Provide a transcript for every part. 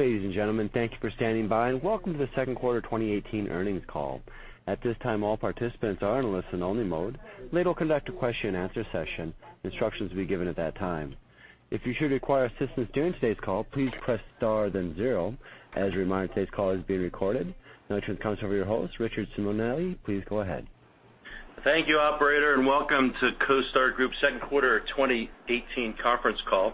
Ladies and gentlemen, thank you for standing by, and welcome to the second quarter 2018 earnings call. At this time, all participants are in listen-only mode. Later, we'll conduct a question-and-answer session. Instructions will be given at that time. If you should require assistance during today's call, please press star then zero. As a reminder, today's call is being recorded. To turn the conference over to your host, Richard Simonelli. Please go ahead. Thank you, operator. Welcome to CoStar Group's second quarter 2018 conference call.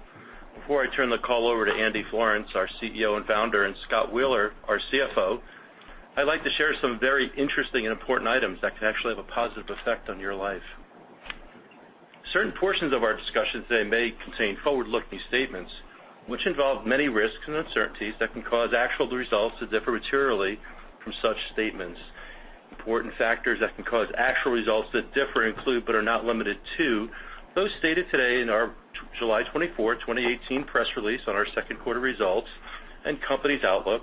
Before I turn the call over to Andrew Florance, our CEO and Founder, and Scott Wheeler, our CFO, I'd like to share some very interesting and important items that can actually have a positive effect on your life. Certain portions of our discussion today may contain forward-looking statements, which involve many risks and uncertainties that can cause actual results to differ materially from such statements. Important factors that can cause actual results to differ include, but are not limited to, those stated today in our July 24, 2018, press release on our second quarter results and company's outlook,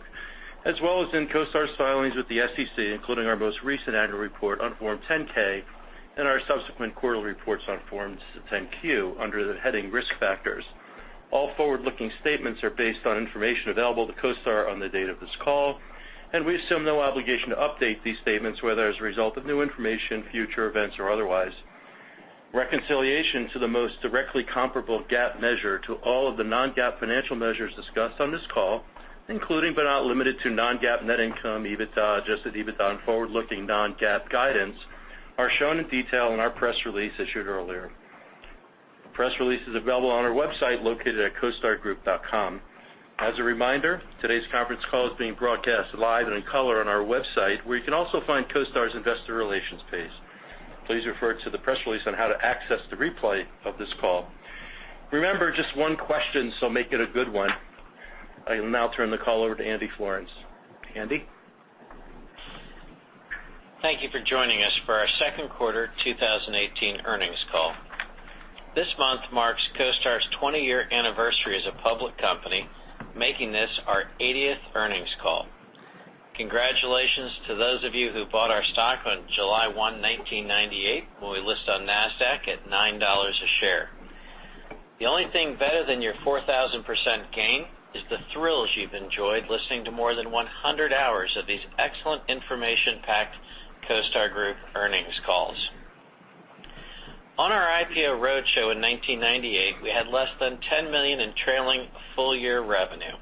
as well as in CoStar's filings with the SEC, including our most recent annual report on Form 10-K and our subsequent quarterly reports on Forms 10-Q under the heading Risk Factors. All forward-looking statements are based on information available to CoStar on the date of this call. We assume no obligation to update these statements, whether as a result of new information, future events, or otherwise. Reconciliation to the most directly comparable GAAP measure to all of the non-GAAP financial measures discussed on this call, including but not limited to non-GAAP net income, EBITDA, adjusted EBITDA, and forward-looking non-GAAP guidance, are shown in detail in our press release issued earlier. The press release is available on our website located at costargroup.com. As a reminder, today's conference call is being broadcast live and in color on our website, where you can also find CoStar's investor relations page. Please refer to the press release on how to access the replay of this call. Remember, just one question. Make it a good one. I will now turn the call over to Andrew Florance. Andy? Thank you for joining us for our second quarter 2018 earnings call. This month marks CoStar's 20-year anniversary as a public company, making this our 80th earnings call. Congratulations to those of you who bought our stock on July 1, 1998, when we listed on Nasdaq at $9 a share. The only thing better than your 4,000% gain is the thrills you've enjoyed listening to more than 100 hours of these excellent information-packed CoStar Group earnings calls. On our IPO roadshow in 1998, we had less than $10 million in trailing full-year revenue.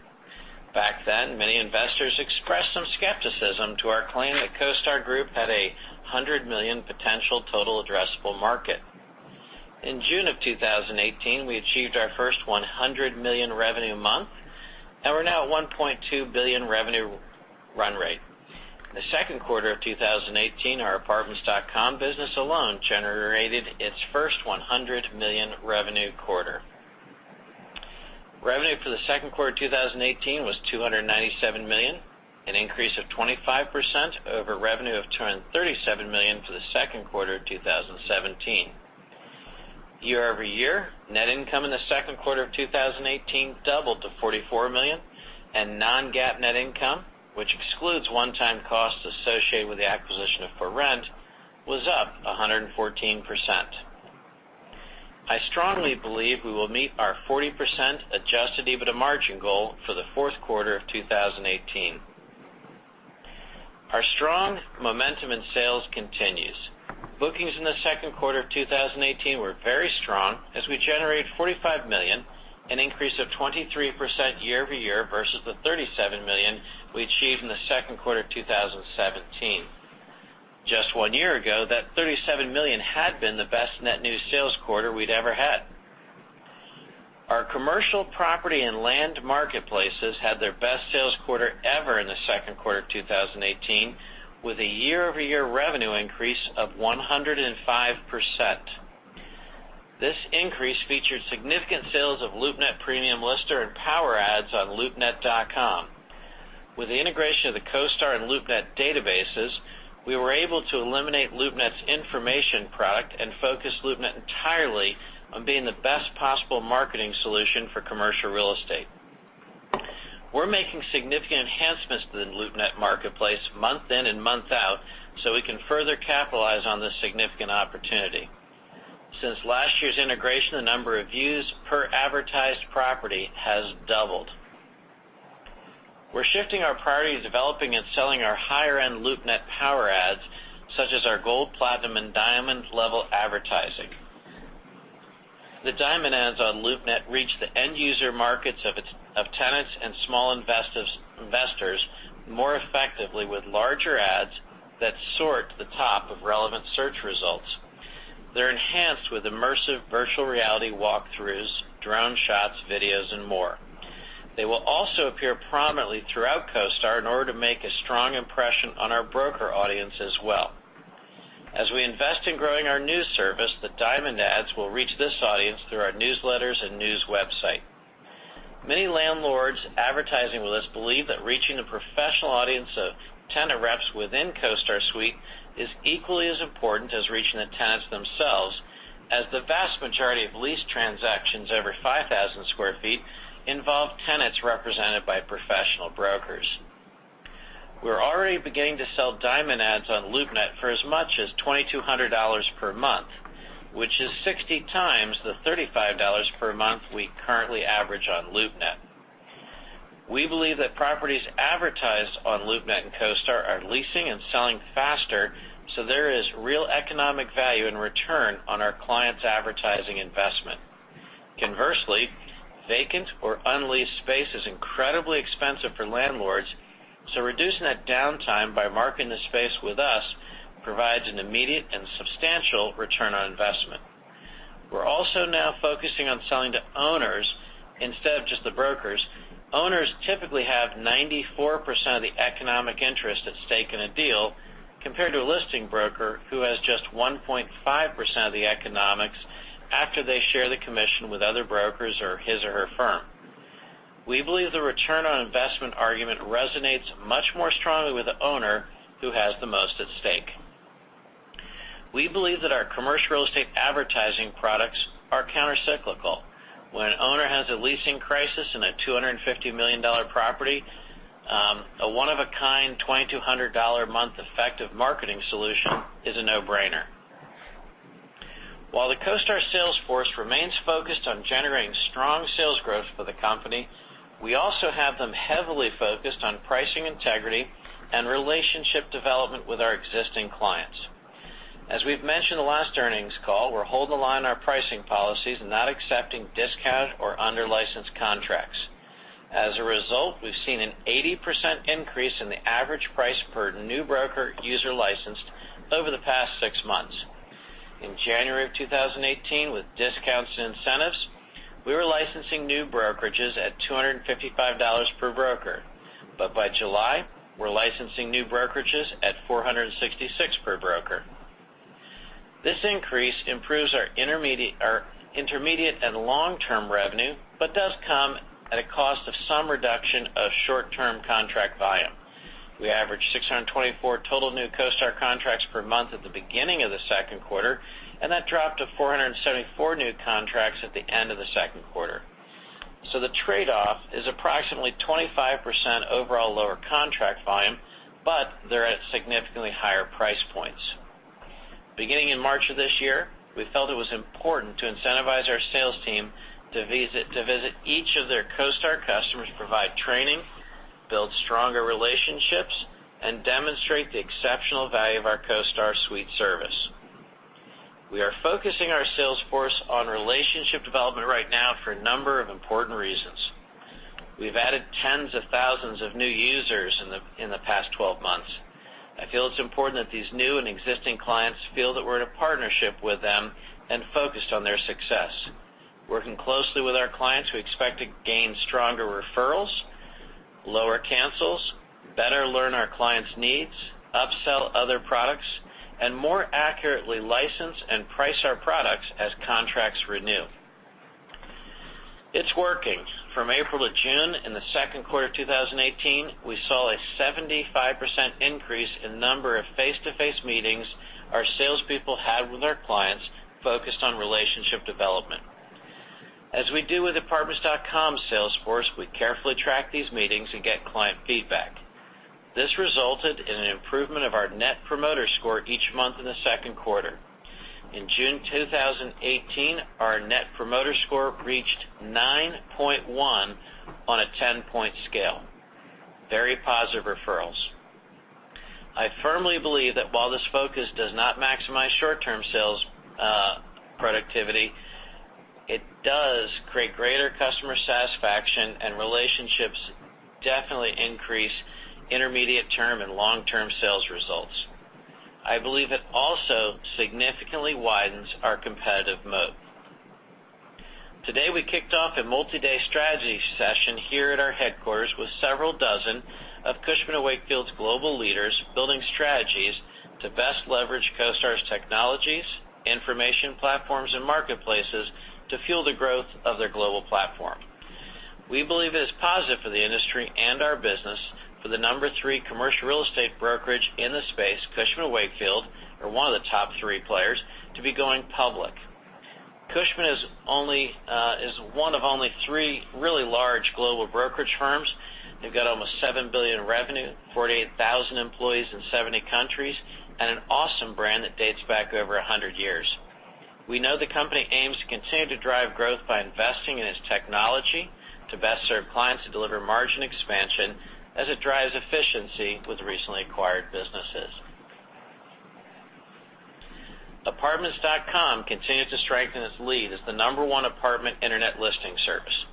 Back then, many investors expressed some skepticism to our claim that CoStar Group had a $100 million potential total addressable market. In June of 2018, we achieved our first $100 million revenue month, and we're now at a $1.2 billion revenue run rate. In the second quarter of 2018, our Apartments.com business alone generated its first $100 million revenue quarter. Revenue for the second quarter 2018 was $297 million, an increase of 25% over revenue of $237 million for the second quarter of 2017. Year-over-year, net income in the second quarter of 2018 doubled to $44 million, and non-GAAP net income, which excludes one-time costs associated with the acquisition of ForRent, was up 114%. I strongly believe we will meet our 40% adjusted EBITDA margin goal for the fourth quarter of 2018. Our strong momentum in sales continues. Bookings in the second quarter of 2018 were very strong as we generated $45 million, an increase of 23% year-over-year versus the $37 million we achieved in the second quarter of 2017. Just one year ago, that $37 million had been the best net new sales quarter we'd ever had. Our commercial property and land marketplaces had their best sales quarter ever in the second quarter of 2018, with a year-over-year revenue increase of 105%. This increase featured significant sales of LoopNet premium lister and power ads on loopnet.com. With the integration of the CoStar and LoopNet databases, we were able to eliminate LoopNet's information product and focus LoopNet entirely on being the best possible marketing solution for commercial real estate. We're making significant enhancements to the LoopNet marketplace month in and month out so we can further capitalize on this significant opportunity. Since last year's integration, the number of views per advertised property has doubled. We're shifting our priority to developing and selling our higher-end LoopNet power ads, such as our gold, platinum, and diamond-level advertising. The diamond ads on LoopNet reach the end-user markets of tenants and small investors more effectively with larger ads that sort to the top of relevant search results. They're enhanced with immersive virtual reality walkthroughs, drone shots, videos, and more. They will also appear prominently throughout CoStar in order to make a strong impression on our broker audience as well. As we invest in growing our news service, the diamond ads will reach this audience through our newsletters and news website. Many landlords advertising with us believe that reaching the professional audience of tenant reps within CoStar Suite is equally as important as reaching the tenants themselves as the vast majority of lease transactions over 5,000 sq ft involve tenants represented by professional brokers. We're already beginning to sell diamond ads on LoopNet for as much as $2,200 per month, which is 60 times the $35 per month we currently average on LoopNet. We believe that properties advertised on LoopNet and CoStar are leasing and selling faster, so there is real economic value in return on our clients' advertising investment. Conversely, vacant or unleased space is incredibly expensive for landlords, so reducing that downtime by marking the space with us provides an immediate and substantial return on investment. We're also now focusing on selling to owners instead of just the brokers. Owners typically have 94% of the economic interest at stake in a deal compared to a listing broker, who has just 1.5% of the economics after they share the commission with other brokers or his or her firm. We believe the return on investment argument resonates much more strongly with the owner, who has the most at stake. We believe that our commercial real estate advertising products are countercyclical. When an owner has a leasing crisis in a $250 million property, a one-of-a-kind $2,200 a month effective marketing solution is a no-brainer. While the CoStar sales force remains focused on generating strong sales growth for the company, we also have them heavily focused on pricing integrity and relationship development with our existing clients. As we've mentioned the last earnings call, we're hold the line on our pricing policies and not accepting discounted or under licensed contracts. As a result, we've seen an 80% increase in the average price per new broker user licensed over the past six months. In January of 2018, with discounts and incentives, we were licensing new brokerages at $255 per broker. By July, we're licensing new brokerages at $466 per broker. This increase improves our intermediate and long-term revenue, but does come at a cost of some reduction of short-term contract volume. We averaged 624 total new CoStar contracts per month at the beginning of the second quarter, and that dropped to 474 new contracts at the end of the second quarter. The trade-off is approximately 25% overall lower contract volume, but they're at significantly higher price points. Beginning in March of this year, we felt it was important to incentivize our sales team to visit each of their CoStar customers to provide training, build stronger relationships, and demonstrate the exceptional value of our CoStar Suite service. We are focusing our sales force on relationship development right now for a number of important reasons. We've added tens of thousands of new users in the past 12 months. I feel it's important that these new and existing clients feel that we're in a partnership with them and focused on their success. Working closely with our clients, we expect to gain stronger referrals, lower cancels, better learn our clients' needs, upsell other products, and more accurately license and price our products as contracts renew. It's working. From April to June in the second quarter 2018, we saw a 75% increase in number of face-to-face meetings our salespeople had with our clients focused on relationship development. As we do with Apartments.com sales force, we carefully track these meetings and get client feedback. This resulted in an improvement of our Net Promoter Score each month in the second quarter. In June 2018, our Net Promoter Score reached 9.1 on a 10-point scale. Very positive referrals. I firmly believe that while this focus does not maximize short-term sales productivity, it does create greater customer satisfaction, and relationships definitely increase intermediate-term and long-term sales results. I believe it also significantly widens our competitive moat. Today, we kicked off a multi-day strategy session here at our headquarters with several dozen of Cushman & Wakefield's global leaders, building strategies to best leverage CoStar's technologies, information platforms, and marketplaces to fuel the growth of their global platform. We believe it is positive for the industry and our business for the number 3 commercial real estate brokerage in the space, Cushman & Wakefield, or one of the top three players, to be going public. Cushman is one of only three really large global brokerage firms. They've got almost $7 billion in revenue, 48,000 employees in 70 countries, and an awesome brand that dates back over 100 years. We know the company aims to continue to drive growth by investing in its technology to best serve clients and deliver margin expansion as it drives efficiency with recently acquired businesses. Apartments.com continues to strengthen its lead as the number 1 apartment internet listing service.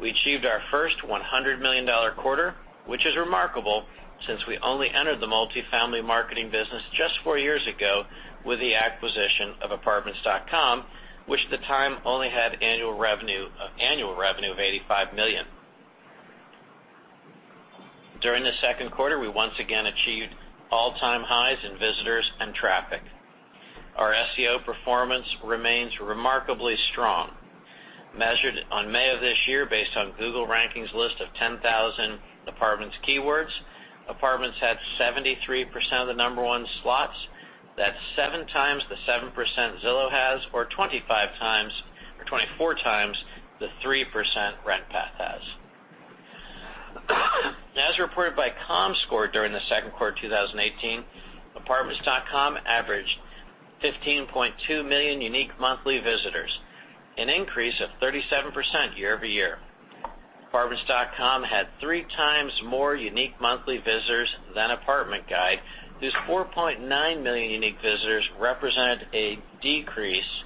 We achieved our first $100 million quarter, which is remarkable since we only entered the multifamily marketing business just four years ago with the acquisition of Apartments.com, which at the time only had annual revenue of $85 million. During the second quarter, we once again achieved all-time highs in visitors and traffic. Our SEO performance remains remarkably strong. Measured on May of this year based on Google rankings list of 10,000 Apartments keywords, Apartments had 73% of the number 1 slots. That's 7 times the 7% Zillow has, or 24 times the 3% RentPath has. As reported by Comscore during the second quarter 2018, Apartments.com averaged 15.2 million unique monthly visitors, an increase of 37% year-over-year. Apartments.com had three times more unique monthly visitors than Apartment Guide, whose 4.9 million unique visitors represented a decrease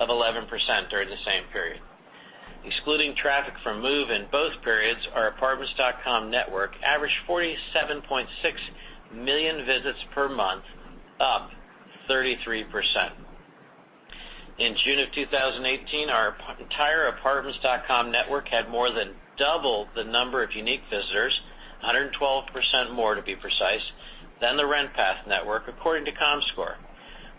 of 11% during the same period. Excluding traffic from Move in both periods, our Apartments.com network averaged 47.6 million visits per month, up 33%. In June of 2018, our entire Apartments.com network had more than double the number of unique visitors, 112% more to be precise, than the RentPath network according to Comscore.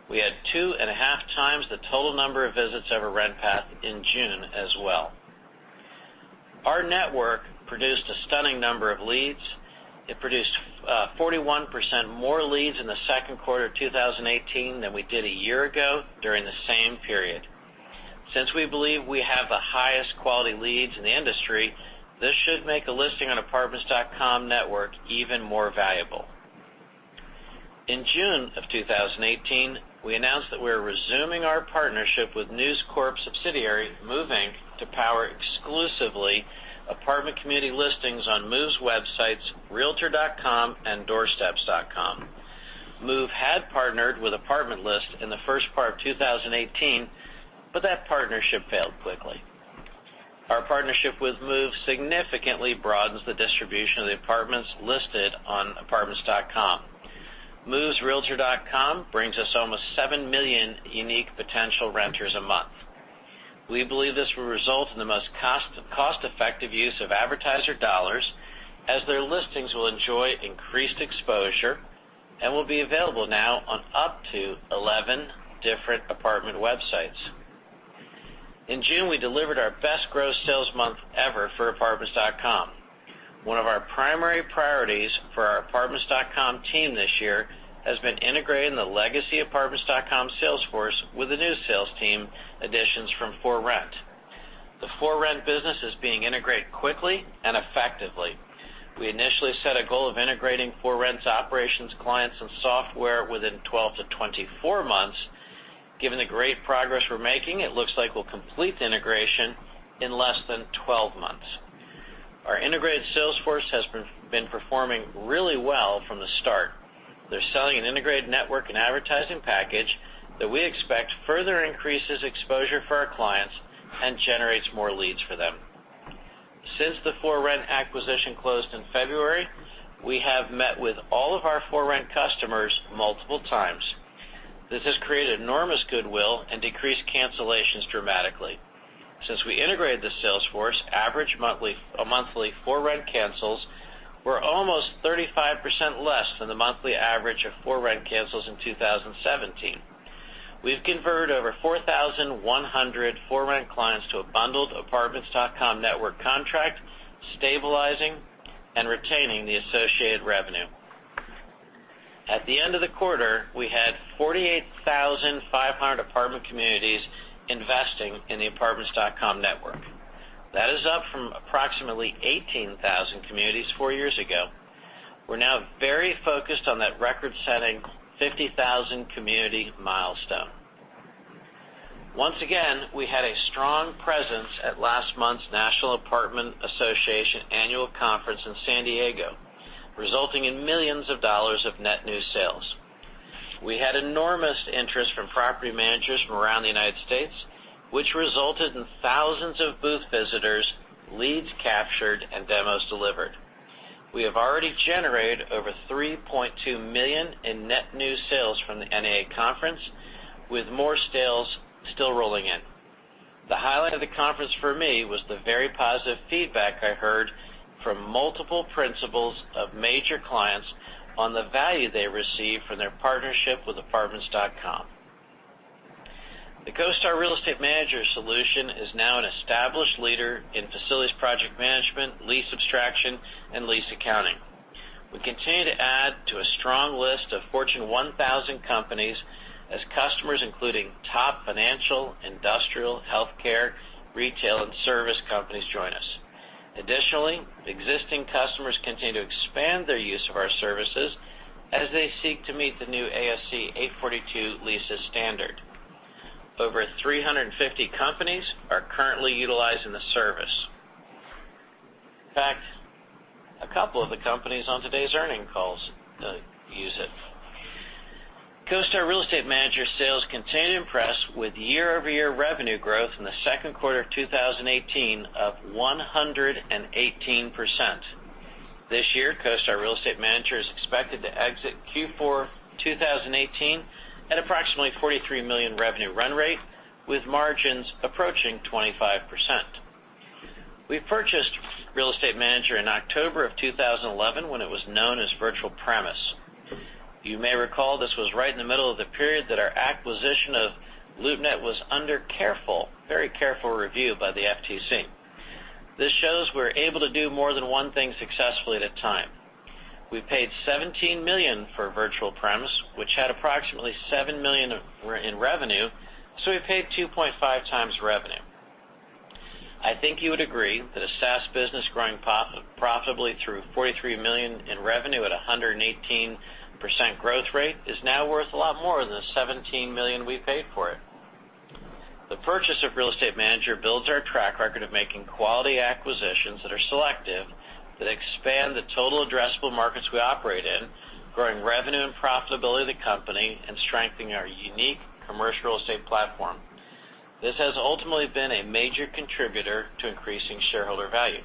We had two and a half times the total number of visits over RentPath in June as well. Our network produced a stunning number of leads. It produced 41% more leads in the second quarter of 2018 than we did a year ago during the same period. Since we believe we have the highest quality leads in the industry, this should make a listing on Apartments.com network even more valuable. In June of 2018, we announced that we are resuming our partnership with News Corp subsidiary, Move, Inc., to power exclusively apartment community listings on Move's websites, realtor.com and doorsteps.com. Move had partnered with Apartment List in the first part of 2018, but that partnership failed quickly. Our partnership with Move significantly broadens the distribution of the apartments listed on Apartments.com. Move's realtor.com brings us almost 7 million unique potential renters a month. We believe this will result in the most cost-effective use of advertiser dollars, as their listings will enjoy increased exposure and will be available now on up to 11 different apartment websites. In June, we delivered our best gross sales month ever for Apartments.com. One of our primary priorities for our Apartments.com team this year has been integrating the legacy Apartments.com sales force with the new sales team additions from ForRent. The ForRent business is being integrated quickly and effectively. We initially set a goal of integrating ForRent's operations, clients, and software within 12 to 24 months. Given the great progress we're making, it looks like we'll complete the integration in less than 12 months. Our integrated sales force has been performing really well from the start. They're selling an integrated network and advertising package that we expect further increases exposure for our clients and generates more leads for them. Since the ForRent acquisition closed in February, we have met with all of our ForRent customers multiple times. This has created enormous goodwill and decreased cancellations dramatically. Since we integrated the sales force, average monthly ForRent cancels were almost 35% less than the monthly average of ForRent cancels in 2017. We've converted over 4,100 ForRent clients to a bundled Apartments.com network contract, stabilizing and retaining the associated revenue. At the end of the quarter, we had 48,500 apartment communities investing in the Apartments.com network. That is up from approximately 18,000 communities four years ago. We're now very focused on that record-setting 50,000 community milestone. Once again, we had a strong presence at last month's National Apartment Association Annual Conference in San Diego, resulting in millions of dollars of net new sales. We had enormous interest from property managers from around the United States, which resulted in thousands of booth visitors, leads captured, and demos delivered. We have already generated over $3.2 million in net new sales from the NAA conference, with more sales still rolling in. The highlight of the conference for me was the very positive feedback I heard from multiple principals of major clients on the value they receive from their partnership with Apartments.com. The CoStar Real Estate Manager solution is now an established leader in facilities project management, lease abstraction, and lease accounting. We continue to add to a strong list of Fortune 1000 companies as customers, including top financial, industrial, healthcare, retail, and service companies join us. Additionally, existing customers continue to expand their use of our services as they seek to meet the new ASC 842 leases standard. Over 350 companies are currently utilizing the service. In fact, a couple of the companies on today's earning calls use it. CoStar Real Estate Manager sales continue to impress with year-over-year revenue growth in the second quarter of 2018 of 118%. This year, CoStar Real Estate Manager is expected to exit Q4 2018 at approximately $43 million revenue run rate, with margins approaching 25%. We purchased Real Estate Manager in October of 2011, when it was known as Virtual Premise. You may recall, this was right in the middle of the period that our acquisition of LoopNet was under very careful review by the FTC. This shows we're able to do more than one thing successfully at a time. We paid $17 million for Virtual Premise, which had approximately $7 million in revenue, so we paid 2.5 times revenue. I think you would agree that a SaaS business growing profitably through $43 million in revenue at 118% growth rate is now worth a lot more than the $17 million we paid for it. The purchase of Real Estate Manager builds our track record of making quality acquisitions that are selective, that expand the total addressable markets we operate in, growing revenue and profitability of the company, and strengthening our unique commercial real estate platform. This has ultimately been a major contributor to increasing shareholder value.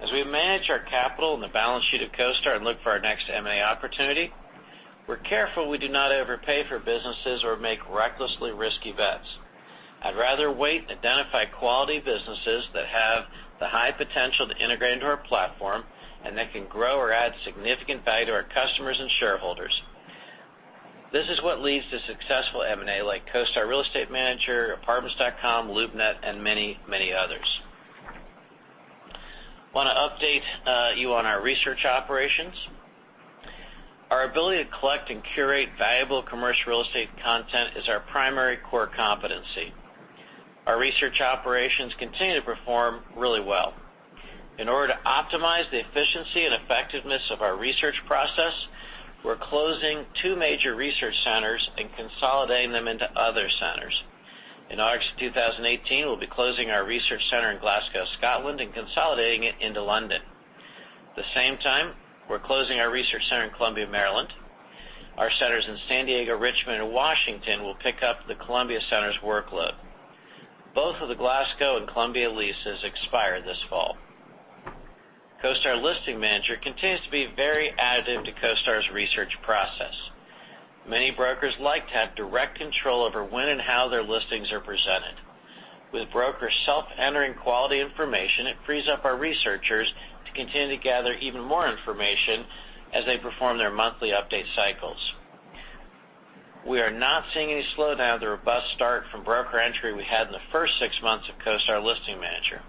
As we manage our capital and the balance sheet of CoStar and look for our next M&A opportunity, we're careful we do not overpay for businesses or make recklessly risky bets. I'd rather wait and identify quality businesses that have the high potential to integrate into our platform, and that can grow or add significant value to our customers and shareholders. This is what leads to successful M&A like CoStar Real Estate Manager, Apartments.com, LoopNet, and many others. We want to update you on our research operations. Our ability to collect and curate valuable commercial real estate content is our primary core competency. Our research operations continue to perform really well. In order to optimize the efficiency and effectiveness of our research process, we're closing two major research centers and consolidating them into other centers. In August 2018, we'll be closing our research center in Glasgow, Scotland, and consolidating it into London. At the same time, we're closing our research center in Columbia, Maryland. Our centers in San Diego, Richmond, and Washington will pick up the Columbia center's workload. Both of the Glasgow and Columbia leases expire this fall. CoStar Listing Manager continues to be very additive to CoStar's research process. Many brokers like to have direct control over when and how their listings are presented. With brokers self-entering quality information, it frees up our researchers to continue to gather even more information as they perform their monthly update cycles. We are not seeing any slowdown to the robust start from broker entry we had in the first six months of CoStar Listing Manager.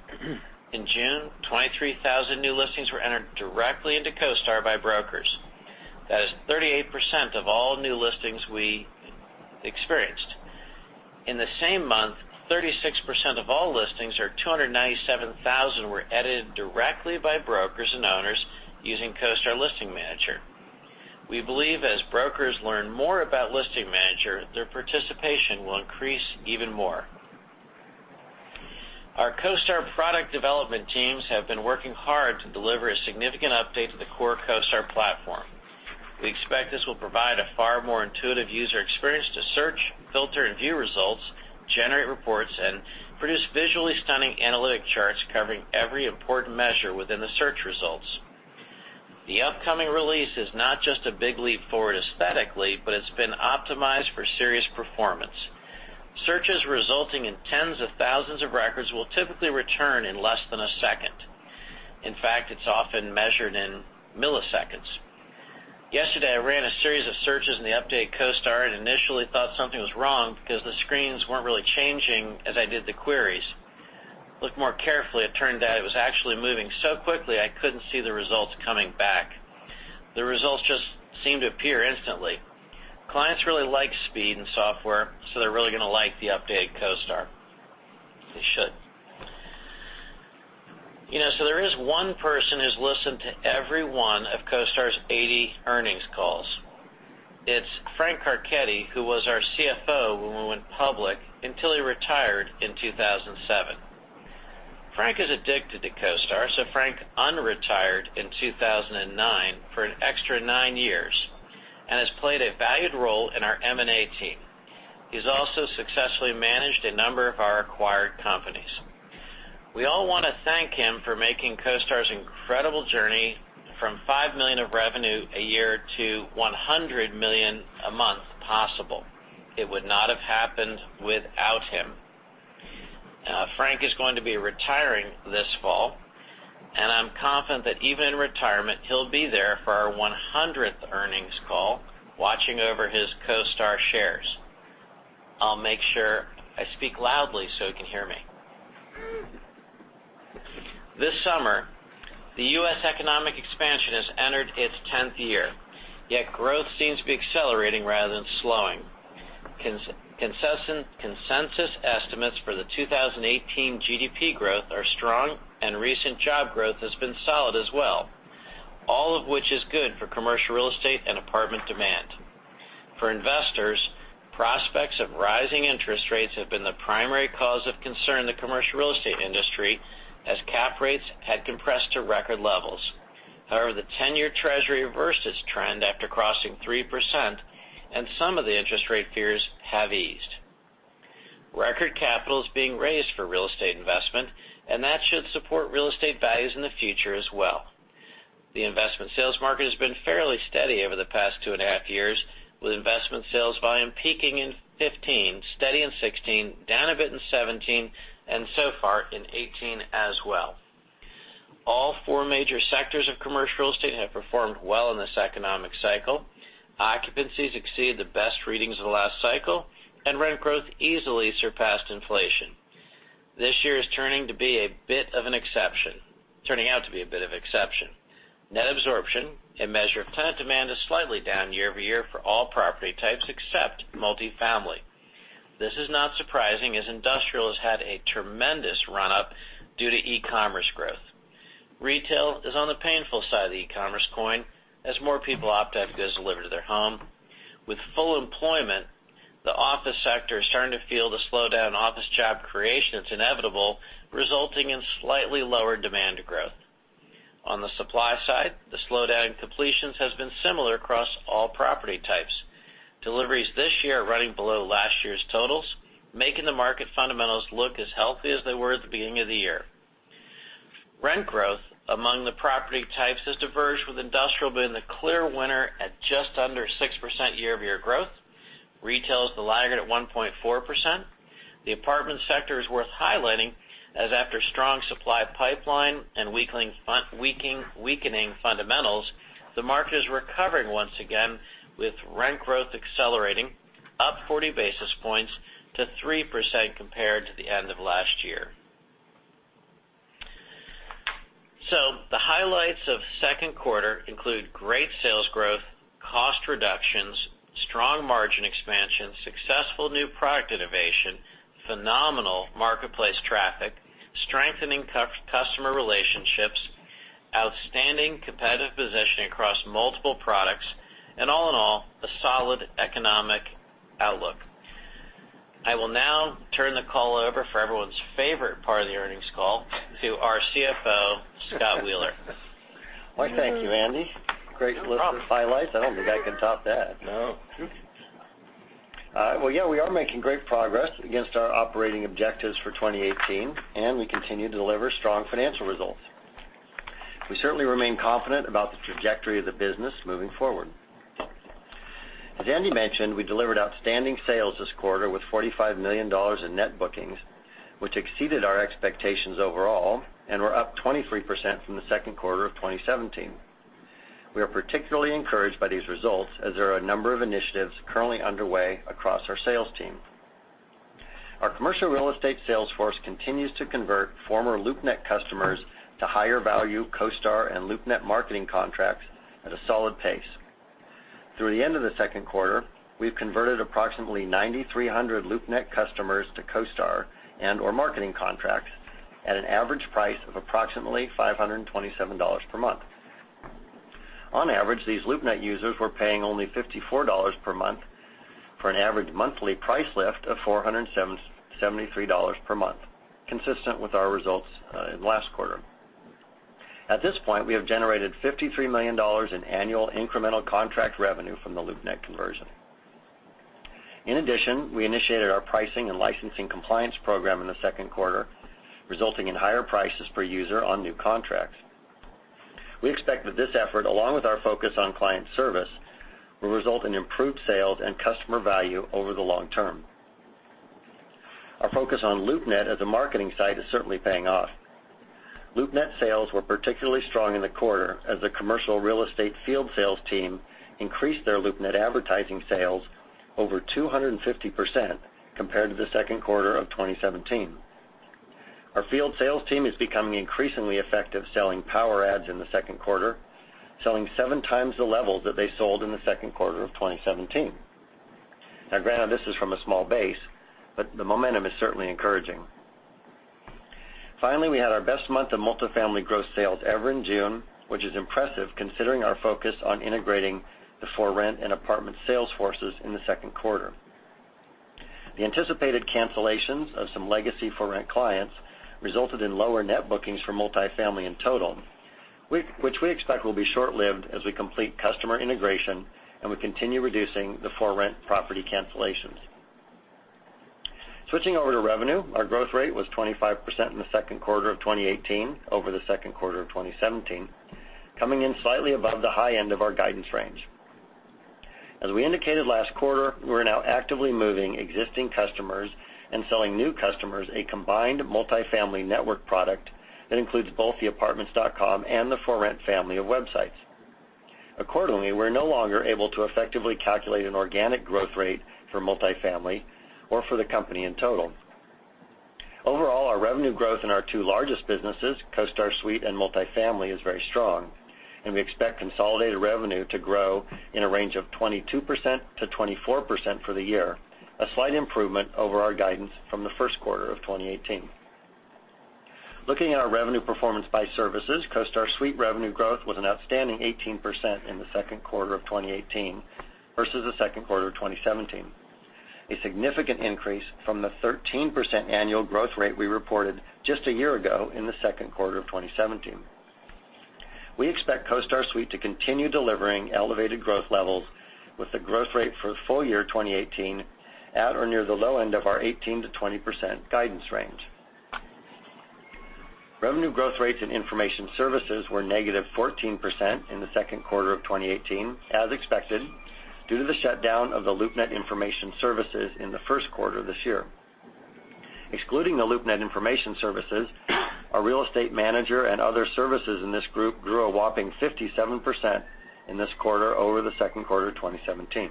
In June, 23,000 new listings were entered directly into CoStar by brokers. That is 38% of all new listings we experienced. In the same month, 36% of all listings or 297,000 were edited directly by brokers and owners using CoStar Listing Manager. We believe as brokers learn more about Listing Manager, their participation will increase even more. Our CoStar product development teams have been working hard to deliver a significant update to the core CoStar platform. We expect this will provide a far more intuitive user experience to search, filter, and view results, generate reports, and produce visually stunning analytic charts covering every important measure within the search results. The upcoming release is not just a big leap forward aesthetically, but it's been optimized for serious performance. Searches resulting in tens of thousands of records will typically return in less than a second. In fact, it's often measured in milliseconds. Yesterday, I ran a series of searches in the updated CoStar and initially thought something was wrong because the screens weren't really changing as I did the queries. I looked more carefully, it turned out it was actually moving so quickly I couldn't see the results coming back. The results just seemed to appear instantly. Clients really like speed and software, so they're really going to like the updated CoStar. They should. There is one person who's listened to every one of CoStar's 80 earnings calls. It's Frank Carchedi, who was our CFO when we went public until he retired in 2007. Frank is addicted to CoStar. Frank unretired in 2009 for an extra nine years and has played a valued role in our M&A team. He's also successfully managed a number of our acquired companies. We all want to thank him for making CoStar's incredible journey from $5 million of revenue a year to $100 million a month possible. It would not have happened without him. Frank is going to be retiring this fall. I'm confident that even in retirement, he'll be there for our 100th earnings call, watching over his CoStar shares. I'll make sure I speak loudly so he can hear me. This summer, the U.S. economic expansion has entered its 10th year, yet growth seems to be accelerating rather than slowing. Consensus estimates for the 2018 GDP growth are strong. Recent job growth has been solid as well, all of which is good for commercial real estate and apartment demand. For investors, prospects of rising interest rates have been the primary cause of concern in the commercial real estate industry, as cap rates had compressed to record levels. However, the 10-year Treasury reversed its trend after crossing 3%. Some of the interest rate fears have eased. Record capital is being raised for real estate investment. That should support real estate values in the future as well. The investment sales market has been fairly steady over the past two and a half years, with investment sales volume peaking in 2015, steady in 2016, down a bit in 2017, and so far in 2018 as well. All four major sectors of commercial real estate have performed well in this economic cycle. Occupancies exceed the best readings of the last cycle. Rent growth easily surpassed inflation. This year is turning out to be a bit of an exception. Net absorption, a measure of tenant demand, is slightly down year-over-year for all property types except multifamily. This is not surprising, as industrial has had a tremendous run-up due to e-commerce growth. Retail is on the painful side of the e-commerce coin, as more people opt to have goods delivered to their home. With full employment, the office sector is starting to feel the slowdown in office job creation that's inevitable, resulting in slightly lower demand growth. On the supply side, the slowdown in completions has been similar across all property types. Deliveries this year are running below last year's totals, making the market fundamentals look as healthy as they were at the beginning of the year. Rent growth among the property types has diverged, with industrial being the clear winner at just under 6% year-over-year growth. Retail is the laggard at 1.4%. The apartment sector is worth highlighting, as after strong supply pipeline and weakening fundamentals, the market is recovering once again, with rent growth accelerating up 40 basis points to 3% compared to the end of last year. The highlights of second quarter include great sales growth, cost reductions, strong margin expansion, successful new product innovation, phenomenal marketplace traffic, strengthening customer relationships, outstanding competitive positioning across multiple products, and all in all, a solid economic outlook. I will now turn the call over for everyone's favorite part of the earnings call to our CFO, Scott Wheeler. Why, thank you, Andy. Great list of highlights. I don't think I can top that. No. Well, yeah, we are making great progress against our operating objectives for 2018, and we continue to deliver strong financial results. We certainly remain confident about the trajectory of the business moving forward. As Andy mentioned, we delivered outstanding sales this quarter with $45 million in net bookings, which exceeded our expectations overall and were up 23% from the second quarter of 2017. We are particularly encouraged by these results, as there are a number of initiatives currently underway across our sales team. Our commercial real estate sales force continues to convert former LoopNet customers to higher-value CoStar and LoopNet marketing contracts at a solid pace. Through the end of the second quarter, we've converted approximately 9,300 LoopNet customers to CoStar and/or marketing contracts at an average price of approximately $527 per month. On average, these LoopNet users were paying only $54 per month for an average monthly price lift of $473 per month, consistent with our results last quarter. At this point, we have generated $53 million in annual incremental contract revenue from the LoopNet conversion. In addition, we initiated our pricing and licensing compliance program in the second quarter, resulting in higher prices per user on new contracts. We expect that this effort, along with our focus on client service, will result in improved sales and customer value over the long term. Our focus on LoopNet as a marketing site is certainly paying off. LoopNet sales were particularly strong in the quarter as the commercial real estate field sales team increased their LoopNet advertising sales over 250% compared to the second quarter of 2017. Our field sales team is becoming increasingly effective selling power ads in the second quarter, selling seven times the levels that they sold in the second quarter of 2017. Now, granted, this is from a small base, but the momentum is certainly encouraging. Finally, we had our best month of multifamily gross sales ever in June, which is impressive considering our focus on integrating the ForRent and Apartments sales forces in the second quarter. The anticipated cancellations of some legacy ForRent clients resulted in lower net bookings for multifamily in total, which we expect will be short-lived as we complete customer integration, and we continue reducing the ForRent property cancellations. Switching over to revenue, our growth rate was 25% in the second quarter of 2018 over the second quarter of 2017, coming in slightly above the high end of our guidance range. As we indicated last quarter, we're now actively moving existing customers and selling new customers a combined multifamily network product that includes both the Apartments.com and the ForRent family of websites. Accordingly, we're no longer able to effectively calculate an organic growth rate for multifamily or for the company in total. Overall, our revenue growth in our two largest businesses, CoStar Suite and multifamily, is very strong, and we expect consolidated revenue to grow in a range of 22%-24% for the year, a slight improvement over our guidance from the first quarter of 2018. Looking at our revenue performance by services, CoStar Suite revenue growth was an outstanding 18% in the second quarter of 2018 versus the second quarter of 2017, a significant increase from the 13% annual growth rate we reported just a year ago in the second quarter of 2017. We expect CoStar Suite to continue delivering elevated growth levels, with the growth rate for full year 2018 at or near the low end of our 18%-20% guidance range. Revenue growth rates in information services were negative 14% in the second quarter of 2018, as expected, due to the shutdown of the LoopNet information services in the first quarter this year. Excluding the LoopNet information services, our Real Estate Manager and other services in this group grew a whopping 57% in this quarter over the second quarter of 2017.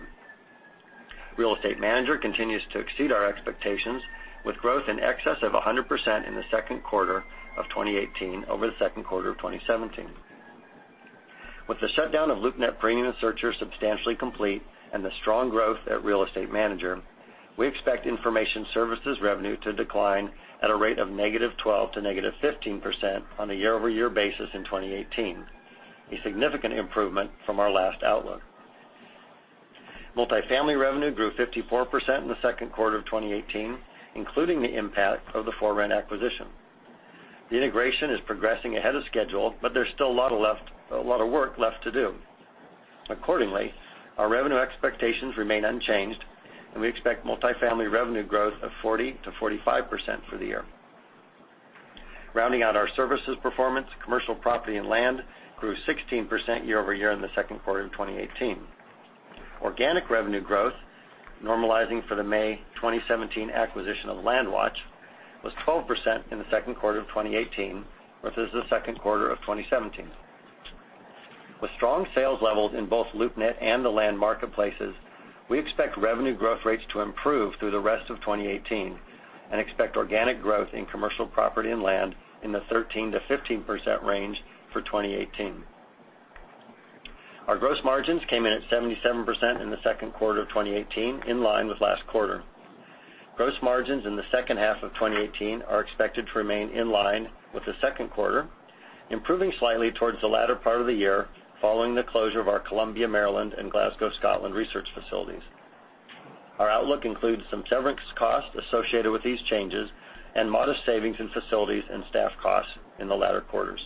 Real Estate Manager continues to exceed our expectations, with growth in excess of 100% in the second quarter of 2018 over the second quarter of 2017. With the shutdown of LoopNet Premium Searcher substantially complete and the strong growth at Real Estate Manager, we expect information services revenue to decline at a rate of negative 12%-negative 15% on a year-over-year basis in 2018, a significant improvement from our last outlook. Multifamily revenue grew 54% in the second quarter of 2018, including the impact of the ForRent acquisition. The integration is progressing ahead of schedule, but there's still a lot of work left to do. Accordingly, our revenue expectations remain unchanged, and we expect multifamily revenue growth of 40%-45% for the year. Rounding out our services performance, commercial property and land grew 16% year-over-year in the second quarter of 2018. Organic revenue growth, normalizing for the May 2017 acquisition of LandWatch, was 12% in the second quarter of 2018 versus the second quarter of 2017. With strong sales levels in both LoopNet and the land marketplaces, we expect revenue growth rates to improve through the rest of 2018 and expect organic growth in commercial property and land in the 13%-15% range for 2018. Our gross margins came in at 77% in the second quarter of 2018, in line with last quarter. Gross margins in the second half of 2018 are expected to remain in line with the second quarter, improving slightly towards the latter part of the year, following the closure of our Columbia, Maryland, and Glasgow, Scotland, research facilities. Our outlook includes some severance costs associated with these changes and modest savings in facilities and staff costs in the latter quarters.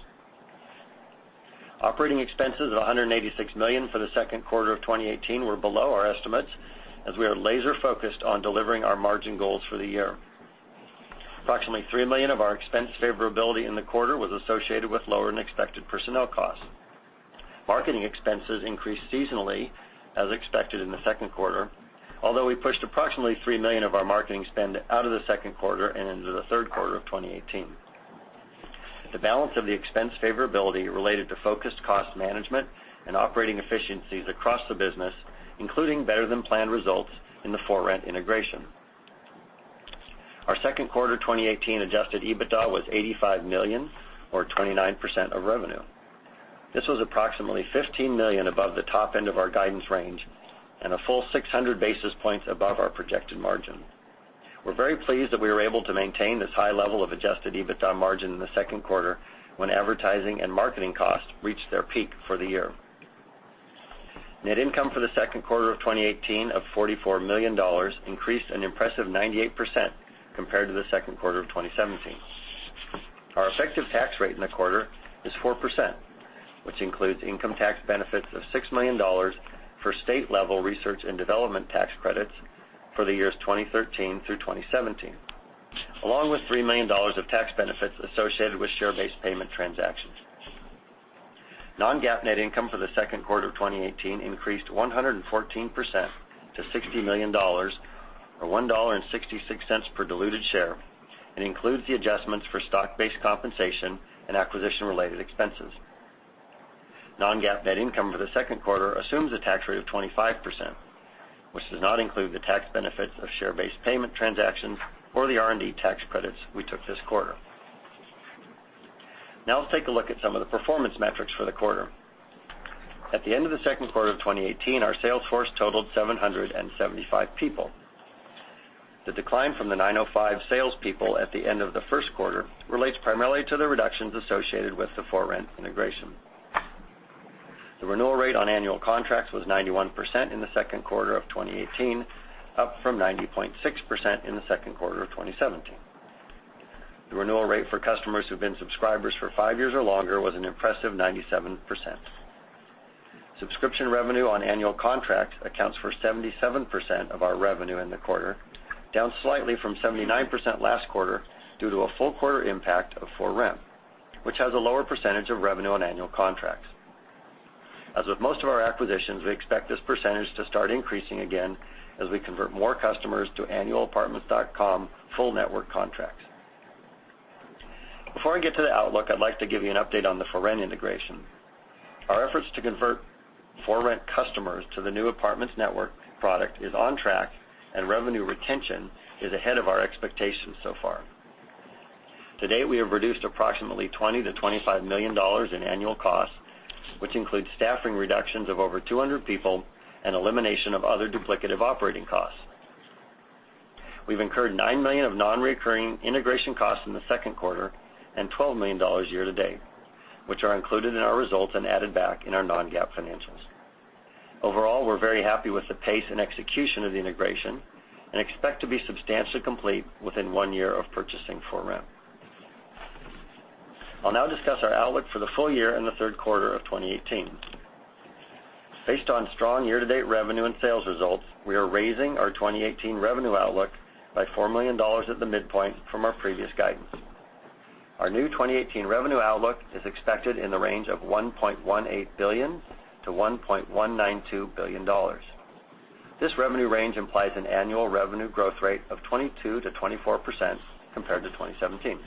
Operating expenses of $186 million for the second quarter of 2018 were below our estimates, as we are laser-focused on delivering our margin goals for the year. Approximately $3 million of our expense favorability in the quarter was associated with lower-than-expected personnel costs. Marketing expenses increased seasonally as expected in the second quarter, although we pushed approximately $3 million of our marketing spend out of the second quarter and into the third quarter of 2018. The balance of the expense favorability related to focused cost management and operating efficiencies across the business, including better-than-planned results in the ForRent integration. Our second quarter 2018 adjusted EBITDA was $85 million, or 29% of revenue. This was approximately $15 million above the top end of our guidance range and a full 600 basis points above our projected margin. We're very pleased that we were able to maintain this high level of adjusted EBITDA margin in the second quarter when advertising and marketing costs reached their peak for the year. Net income for the second quarter of 2018 of $44 million increased an impressive 98% compared to the second quarter of 2017. Our effective tax rate in the quarter is 4%, which includes income tax benefits of $6 million for state-level research and development tax credits for the years 2013 through 2017, along with $3 million of tax benefits associated with share-based payment transactions. Non-GAAP net income for the second quarter of 2018 increased 114% to $60 million, or $1.66 per diluted share, and includes the adjustments for stock-based compensation and acquisition-related expenses. Non-GAAP net income for the second quarter assumes a tax rate of 25%, which does not include the tax benefits of share-based payment transactions or the R&D tax credits we took this quarter. Now let's take a look at some of the performance metrics for the quarter. At the end of the second quarter of 2018, our sales force totaled 775 people. The decline from the 905 salespeople at the end of the first quarter relates primarily to the reductions associated with the ForRent integration. The renewal rate on annual contracts was 91% in the second quarter of 2018, up from 90.6% in the second quarter of 2017. The renewal rate for customers who've been subscribers for five years or longer was an impressive 97%. Subscription revenue on annual contracts accounts for 77% of our revenue in the quarter, down slightly from 79% last quarter due to a full quarter impact of ForRent, which has a lower percentage of revenue on annual contracts. As with most of our acquisitions, we expect this percentage to start increasing again as we convert more customers to Apartments.com full network contracts. Before I get to the outlook, I'd like to give you an update on the ForRent integration. Our efforts to convert ForRent customers to the new Apartments Network product is on track, and revenue retention is ahead of our expectations so far. To date, we have reduced approximately $20 million to $25 million in annual costs, which includes staffing reductions of over 200 people and elimination of other duplicative operating costs. We've incurred $9 million of non-recurring integration costs in the second quarter and $12 million year-to-date, which are included in our results and added back in our non-GAAP financials. Overall, we're very happy with the pace and execution of the integration and expect to be substantially complete within one year of purchasing ForRent. I'll now discuss our outlook for the full year and the third quarter of 2018. Based on strong year-to-date revenue and sales results, we are raising our 2018 revenue outlook by $4 million at the midpoint from our previous guidance. Our new 2018 revenue outlook is expected in the range of $1.18 billion-$1.192 billion. This revenue range implies an annual revenue growth rate of 22%-24% compared to 2017.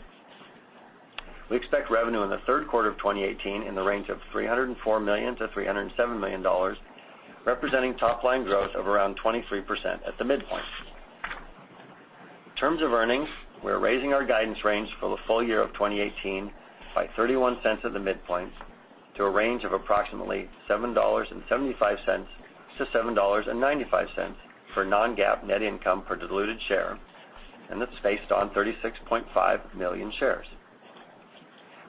We expect revenue in the third quarter of 2018 in the range of $304 million-$307 million, representing top-line growth of around 23% at the midpoint. In terms of earnings, we're raising our guidance range for the full year of 2018 by $0.31 at the midpoint to a range of approximately $7.75-$7.95 for non-GAAP net income per diluted share, and it's based on 36.5 million shares.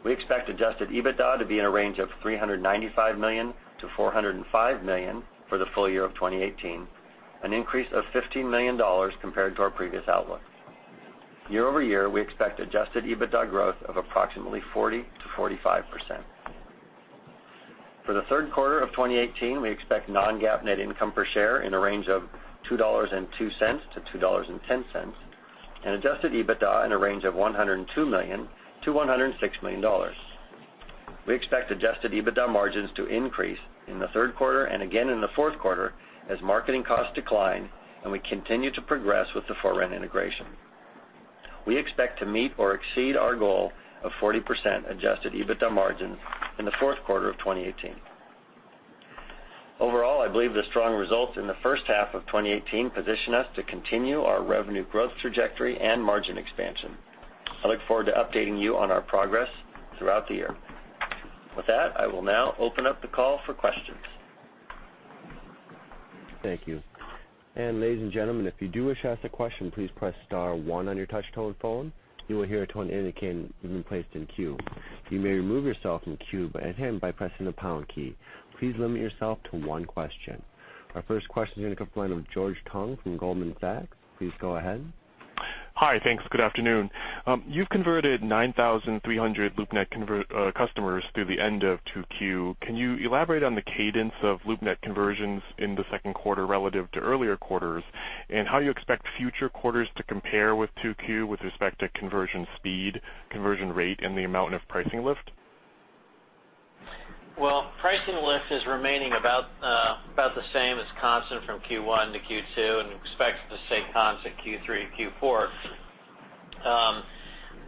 We expect adjusted EBITDA to be in a range of $395 million-$405 million for the full year of 2018, an increase of $15 million compared to our previous outlook. Year-over-year, we expect adjusted EBITDA growth of approximately 40%-45%. For the third quarter of 2018, we expect non-GAAP net income per share in the range of $2.02-$2.10, and adjusted EBITDA in a range of $102 million-$106 million. We expect adjusted EBITDA margins to increase in the third quarter and again in the fourth quarter as marketing costs decline, and we continue to progress with the ForRent integration. We expect to meet or exceed our goal of 40% adjusted EBITDA margins in the fourth quarter of 2018. Overall, I believe the strong results in the first half of 2018 position us to continue our revenue growth trajectory and margin expansion. I look forward to updating you on our progress throughout the year. With that, I will now open up the call for questions. Thank you. Ladies and gentlemen, if you do wish to ask a question, please press *1 on your touch-tone phone. You will hear a tone indicating you've been placed in queue. You may remove yourself from queue by pressing the # key. Please limit yourself to one question. Our first question is going to come from the line of George Tong from Goldman Sachs. Please go ahead. Hi. Thanks. Good afternoon. You've converted 9,300 LoopNet customers through the end of 2Q. Can you elaborate on the cadence of LoopNet conversions in the second quarter relative to earlier quarters, and how you expect future quarters to compare with 2Q with respect to conversion speed, conversion rate, and the amount of pricing lift? Well, pricing lift is remaining about the same as constant from Q1 to Q2, and we expect it to stay constant Q3 to Q4.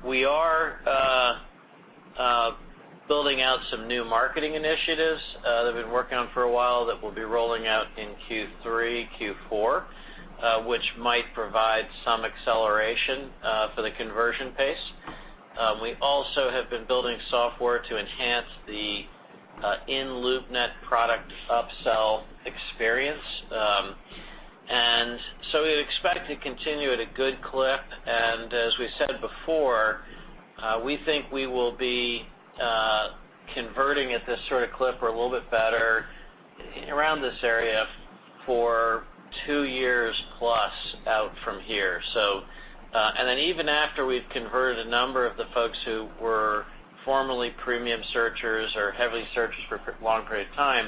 We are building out some new marketing initiatives that we've been working on for a while that we'll be rolling out in Q3, Q4, which might provide some acceleration for the conversion pace. We also have been building software to enhance the in-LoopNet product upsell experience. We expect to continue at a good clip, and as we said before, we think we will be converting at this sort of clip or a little bit better around this area for two years plus out from here. Even after we've converted a number of the folks who were formerly premium searchers or heavily searchers for long period of time,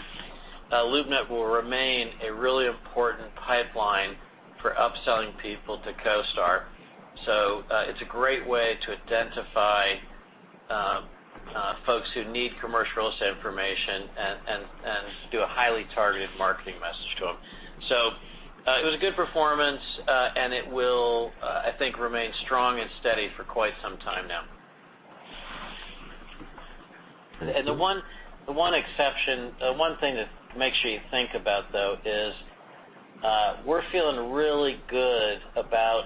LoopNet will remain a really important pipeline for upselling people to CoStar. It's a great way to identify folks who need commercial real estate information and do a highly targeted marketing message to them. It was a good performance, and it will, I think, remain strong and steady for quite some time now. The one exception, one thing that makes you think about, though, is we're feeling really good about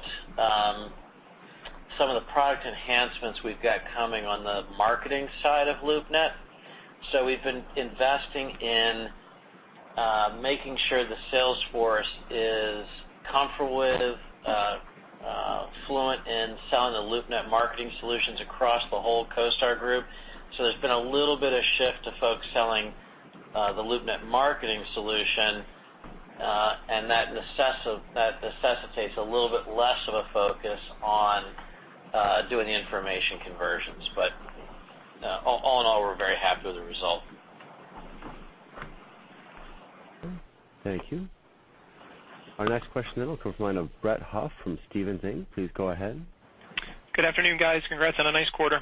some of the product enhancements we've got coming on the marketing side of LoopNet. We've been investing in making sure the sales force is comfortable with, fluent in selling the LoopNet marketing solutions across the whole CoStar Group. There's been a little bit of shift to folks selling the LoopNet marketing solution, and that necessitates a little bit less of a focus on doing the information conversions. All in all, we're very happy with the result. Thank you. Our next question will come from the line of Brett Huff from Stephens Inc. Please go ahead. Good afternoon, guys. Congrats on a nice quarter.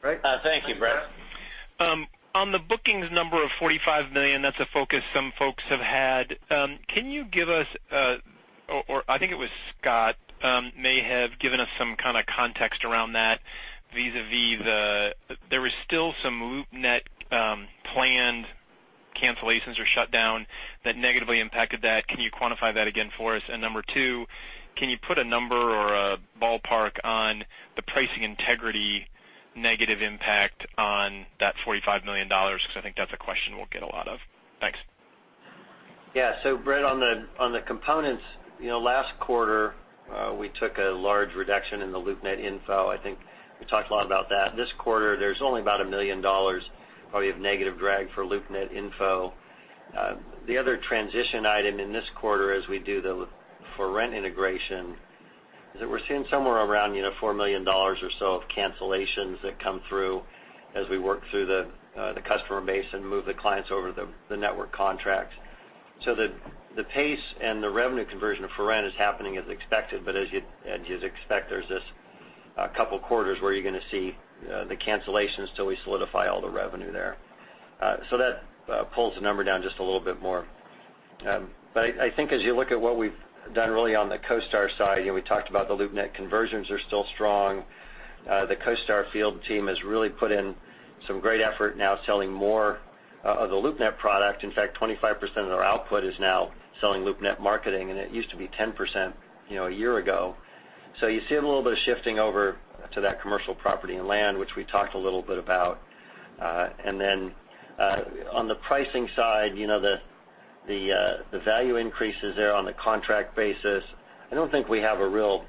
Great. Thank you, Brett. On the bookings number of $45 million, that's a focus some folks have had. Can you give us I think it was Scott may have given us some kind of context around that vis-a-vis There was still some LoopNet planned cancellations or shutdown that negatively impacted that. Can you quantify that again for us? Number two, can you put a number or a ballpark on the pricing integrity negative impact on that $45 million? I think that's a question we'll get a lot of. Thanks. Yeah. Brett, on the components, last quarter, we took a large reduction in the LoopNet info. I think we talked a lot about that. This quarter, there's only about $1 million probably of negative drag for LoopNet info. The other transition item in this quarter as we do the ForRent integration is that we're seeing somewhere around $4 million or so of cancellations that come through as we work through the customer base and move the clients over the network contracts. The pace and the revenue conversion of ForRent is happening as expected. As you'd expect, there's this couple quarters where you're going to see the cancellations till we solidify all the revenue there. That pulls the number down just a little bit more. I think as you look at what we've done really on the CoStar side, we talked about the LoopNet conversions are still strong. The CoStar field team has really put in some great effort now selling more of the LoopNet product. In fact, 25% of their output is now selling LoopNet marketing, and it used to be 10% a year ago. You see a little bit of shifting over to that commercial property and land, which we talked a little bit about. On the pricing side, the value increases there on the contract basis. I don't think we have a real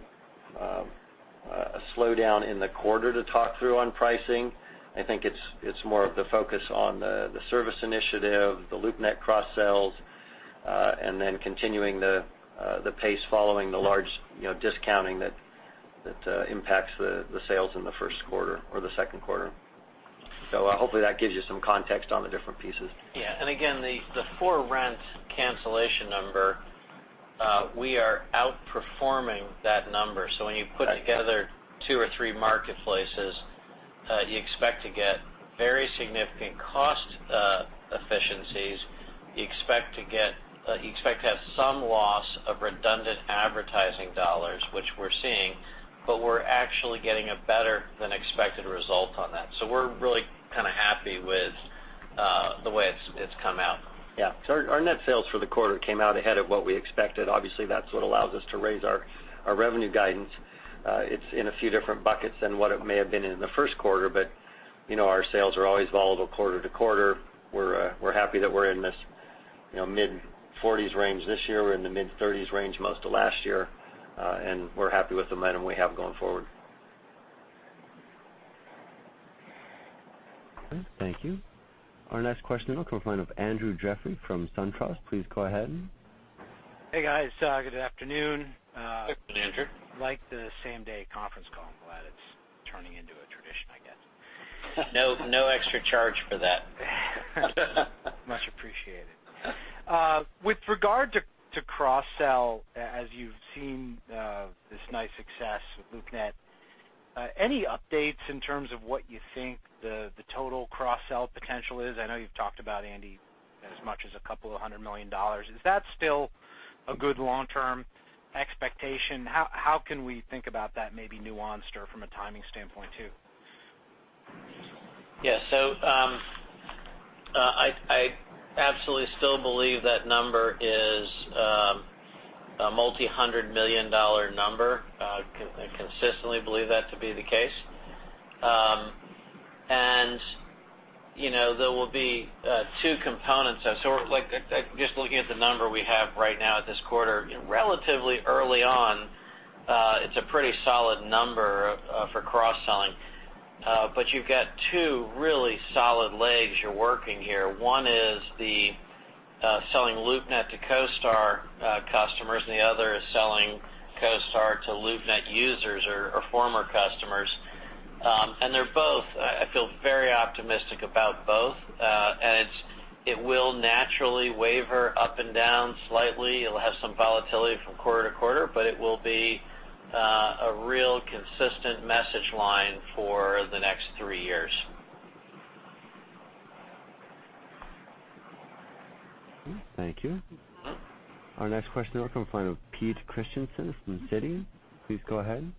slowdown in the quarter to talk through on pricing. I think it's more of the focus on the service initiative, the LoopNet cross-sells, and then continuing the pace following the large discounting that impacts the sales in the first quarter or the second quarter. Hopefully that gives you some context on the different pieces. Again, the ForRent cancellation number, we are outperforming that number. When you put together two or three marketplaces, you expect to get very significant cost efficiencies. You expect to have some loss of redundant advertising dollars, which we're seeing, but we're actually getting a better than expected result on that. We're really kind of happy with the way it's come out. Our net sales for the quarter came out ahead of what we expected. Obviously, that's what allows us to raise our revenue guidance. It's in a few different buckets than what it may have been in the first quarter, but our sales are always volatile quarter to quarter. We're happy that we're in this mid-40s range this year. We're in the mid-30s range most of last year, and we're happy with the momentum we have going forward. Thank you. Our next question will come from the line of Andrew Jeffrey from SunTrust. Please go ahead. Hey, guys. Good afternoon. Good afternoon, Andrew. Like the same-day conference call. I'm glad it's turning into a tradition, I guess. No extra charge for that. Much appreciated. With regard to cross-sell, as you've seen this nice success with LoopNet, any updates in terms of what you think the total cross-sell potential is? I know you've talked about, Andy, as much as a couple of hundred million dollars. Is that still a good long-term expectation? How can we think about that maybe nuanced or from a timing standpoint, too? I absolutely still believe that number is a multi-hundred-million-dollar number. I consistently believe that to be the case. There will be two components. Just looking at the number we have right now at this quarter, relatively early on it's a pretty solid number for cross-selling. But you've got two really solid legs you're working here. One is the selling LoopNet to CoStar customers, and the other is selling CoStar to LoopNet users or former customers. I feel very optimistic about both. It will naturally waver up and down slightly. It'll have some volatility from quarter to quarter, but it will be a real consistent message line for the next three years. Thank you. Our next question will come from the line of Peter Christiansen from Citi. Please go ahead.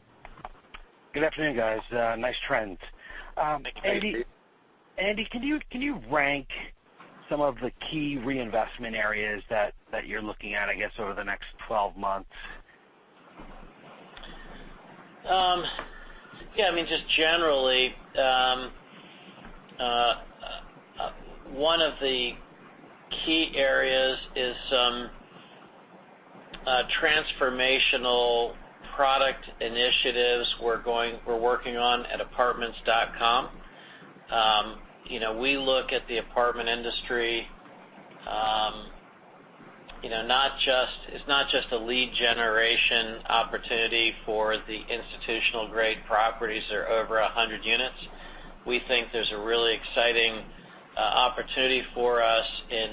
Good afternoon, guys. Nice trends. Thanks, Pete. Andy, can you rank some of the key reinvestment areas that you're looking at, I guess, over the next 12 months? Yeah, just generally, one of the key areas is some transformational product initiatives we're working on at apartments.com. We look at the apartment industry, it's not just a lead generation opportunity for the institutional-grade properties that are over 100 units. We think there's a really exciting opportunity for us in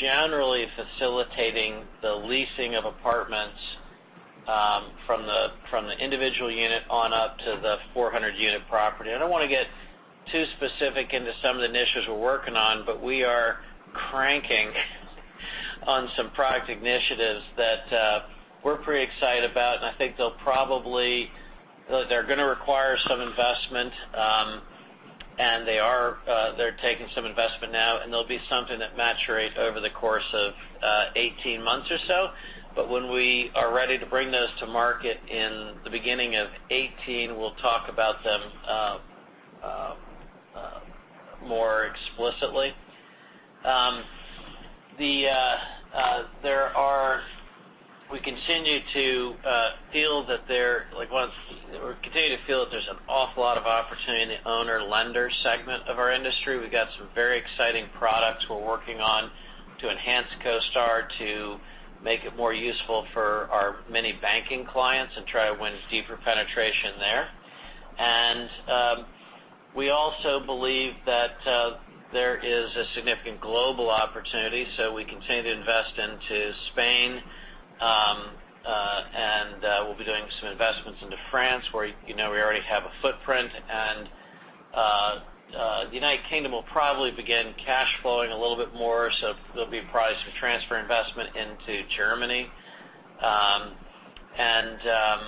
generally facilitating the leasing of apartments from the individual unit on up to the 400-unit property. I don't want to get too specific into some of the initiatives we're working on, but we are cranking on some product initiatives that we're pretty excited about, and I think they're going to require some investment, and they're taking some investment now, and they'll be something that maturates over the course of 18 months or so. When we are ready to bring those to market in the beginning of 2018, we'll talk about them more explicitly. We continue to feel that there's an awful lot of opportunity in the owner/lender segment of our industry. We've got some very exciting products we're working on to enhance CoStar to make it more useful for our many banking clients and try to win deeper penetration there. We also believe that there is a significant global opportunity, so we continue to invest into Spain, and we'll be doing some investments into France where we already have a footprint. United Kingdom will probably begin cash flowing a little bit more, so there'll be a price for transfer investment into Germany. Those are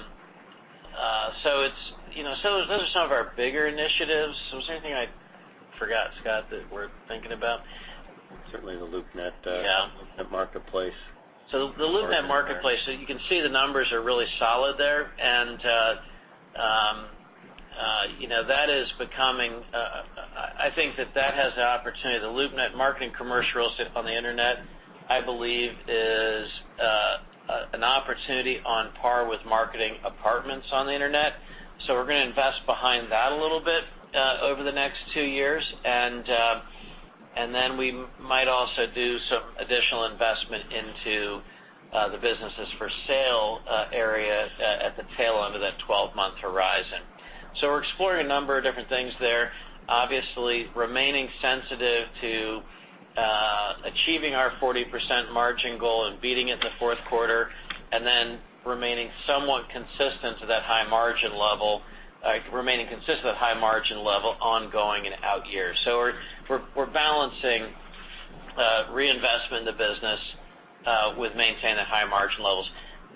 some of our bigger initiatives. Is there anything I forgot, Scott, that we're thinking about? Certainly the LoopNet- Yeah the LoopNet marketplace. The LoopNet marketplace, you can see the numbers are really solid there, and I think that has an opportunity. The LoopNet marketing commercial real estate on the internet, I believe, is an opportunity on par with marketing apartments on the internet. We're going to invest behind that a little bit over the next two years, and then we might also do some additional investment into the businesses for sale area at the tail end of that 12-month horizon. We're exploring a number of different things there, obviously remaining sensitive to achieving our 40% margin goal and beating it in the fourth quarter, and then remaining consistent with high margin level ongoing and out years. We're balancing reinvestment in the business with maintaining high margin levels.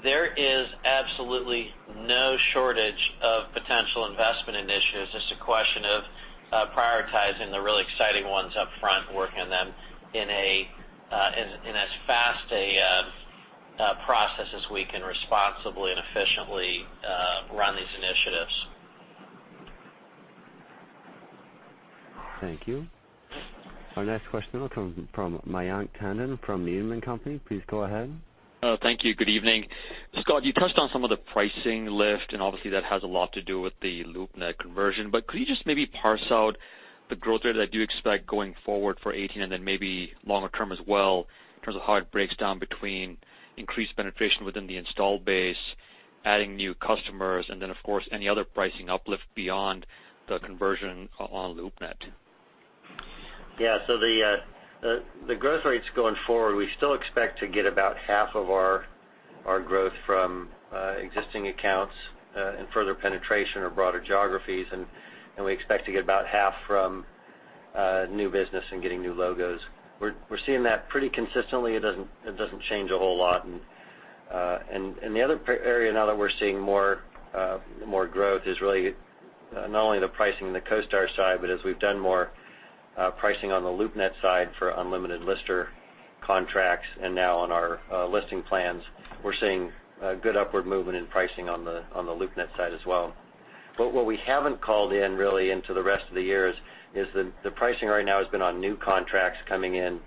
There is absolutely no shortage of potential investment initiatives. It's just a question of prioritizing the really exciting ones up front, working on them in as fast a process as we can responsibly and efficiently run these initiatives. Thank you. Our next question will come from Mayank Tandon from Needham & Company. Please go ahead. Thank you. Good evening. Scott, you touched on some of the pricing lift, and obviously that has a lot to do with the LoopNet conversion. Could you just maybe parse out the growth rate that you expect going forward for 2018 and then maybe longer term as well, in terms of how it breaks down between increased penetration within the installed base, adding new customers, and then, of course, any other pricing uplift beyond the conversion on LoopNet? Yeah. The growth rates going forward, we still expect to get about half of our growth from existing accounts and further penetration or broader geographies, and we expect to get about half from new business and getting new logos. We're seeing that pretty consistently. It doesn't change a whole lot. The other area now that we're seeing more growth is really not only the pricing on the CoStar side, but as we've done more pricing on the LoopNet side for unlimited lister contracts and now on our listing plans, we're seeing good upward movement in pricing on the LoopNet side as well. What we haven't called in really into the rest of the year is the pricing right now has been on new contracts coming in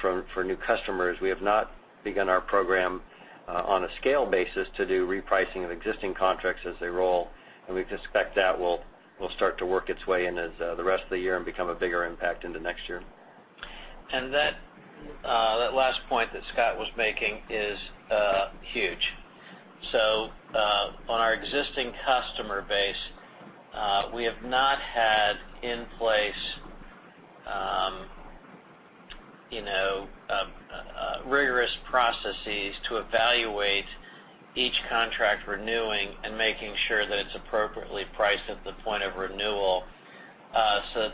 for new customers. We have not begun our program on a scale basis to do repricing of existing contracts as they roll. We suspect that will start to work its way in as the rest of the year and become a bigger impact into next year. That last point that Scott was making is huge. On our existing customer base, we have not had in place rigorous processes to evaluate each contract renewing and making sure that it's appropriately priced at the point of renewal.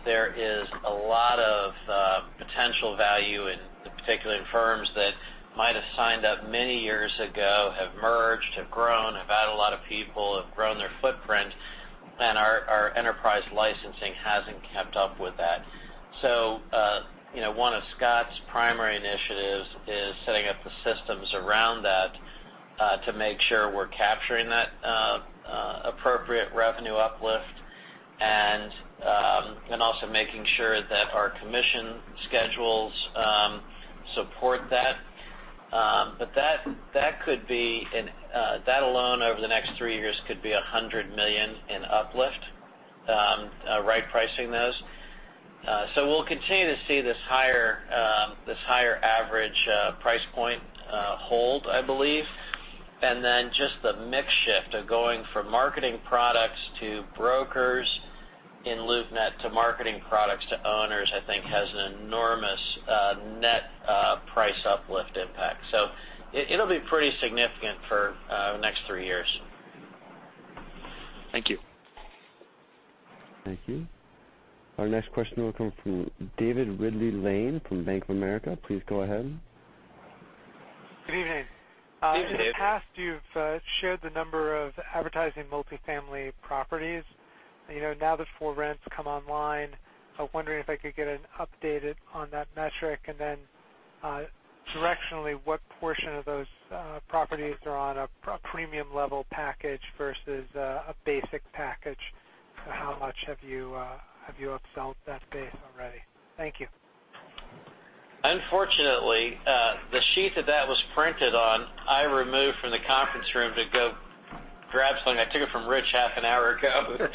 There is a lot of potential value in, particularly in firms that might have signed up many years ago, have merged, have grown, have added a lot of people, have grown their footprint, and our enterprise licensing hasn't kept up with that. One of Scott's primary initiatives is setting up the systems around that to make sure we're capturing that appropriate revenue uplift and also making sure that our commission schedules support that. That alone over the next three years could be $100 million in uplift, right pricing those. We'll continue to see this higher average price point hold, I believe. Just the mix shift of going from marketing products to brokers in LoopNet to marketing products to owners, I think, has an enormous net price uplift impact. It'll be pretty significant for the next three years. Thank you. Thank you. Our next question will come from David Ridley-Lane from Bank of America. Please go ahead. Good evening. Evening, David. In the past, you've shared the number of advertising multifamily properties. Now that ForRent's come online, I was wondering if I could get an update on that metric, and then directionally, what portion of those properties are on a premium level package versus a basic package? How much have you upsell that base already? Thank you. Unfortunately, the sheet that was printed on, I removed from the conference room to go grab something. I took it from Rich half an hour ago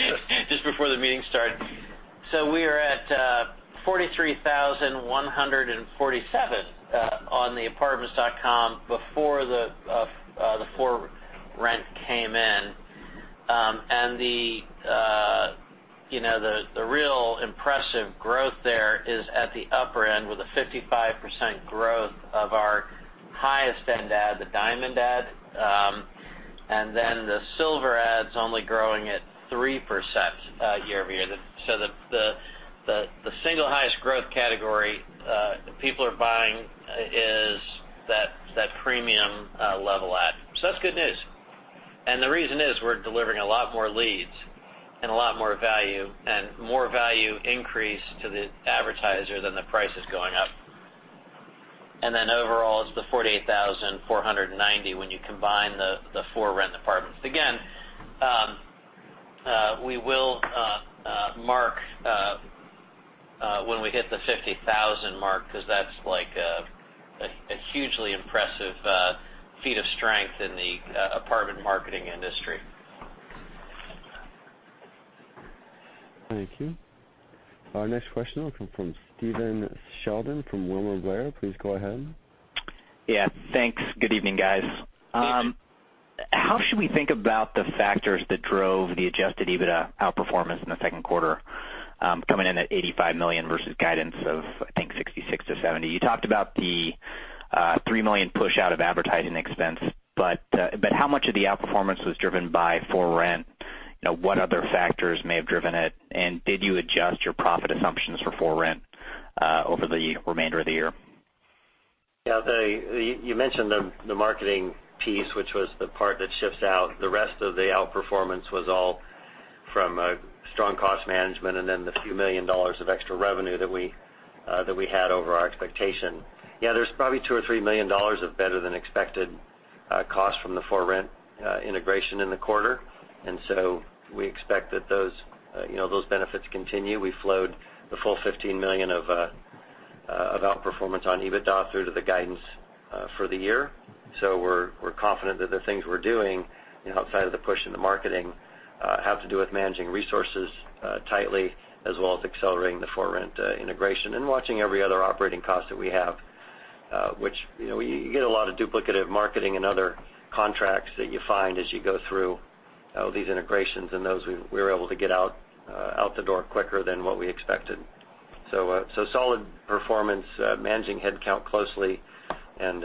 just before the meeting started. We are at 43,147 on the Apartments.com before the ForRent came in. The real impressive growth there is at the upper end with a 55% growth of our highest end ad, the diamond ad, and then the silver ad's only growing at 3% year-over-year. The single highest growth category people are buying is that premium level ad. That's good news. The reason is we're delivering a lot more leads and a lot more value, and more value increase to the advertiser than the price is going up. Overall, it's the 48,490 when you combine the ForRent apartments. Again, we will mark when we hit the 50,000 mark, because that's a hugely impressive feat of strength in the apartment marketing industry. Thank you. Our next question will come from Stephen Sheldon from William Blair. Please go ahead. Yeah. Thanks. Good evening, guys. Good evening. How should we think about the factors that drove the adjusted EBITDA outperformance in the second quarter, coming in at $85 million versus guidance of, I think, $66 million-$70 million? You talked about the $3 million push out of advertising expense, but how much of the outperformance was driven by ForRent? What other factors may have driven it, and did you adjust your profit assumptions for ForRent over the remainder of the year? Yeah. You mentioned the marketing piece, which was the part that shifts out. The rest of the outperformance was all from strong cost management, and then the few million dollars of extra revenue that we had over our expectation. Yeah, there's probably $2 million or $3 million of better-than-expected cost from the ForRent integration in the quarter. We expect that those benefits continue. We flowed the full $15 million of outperformance on EBITDA through to the guidance for the year. We're confident that the things we're doing outside of the push in the marketing have to do with managing resources tightly as well as accelerating the ForRent integration and watching every other operating cost that we have. Which we get a lot of duplicative marketing and other contracts that you find as you go through these integrations, those we were able to get out the door quicker than what we expected. Solid performance, managing headcount closely, and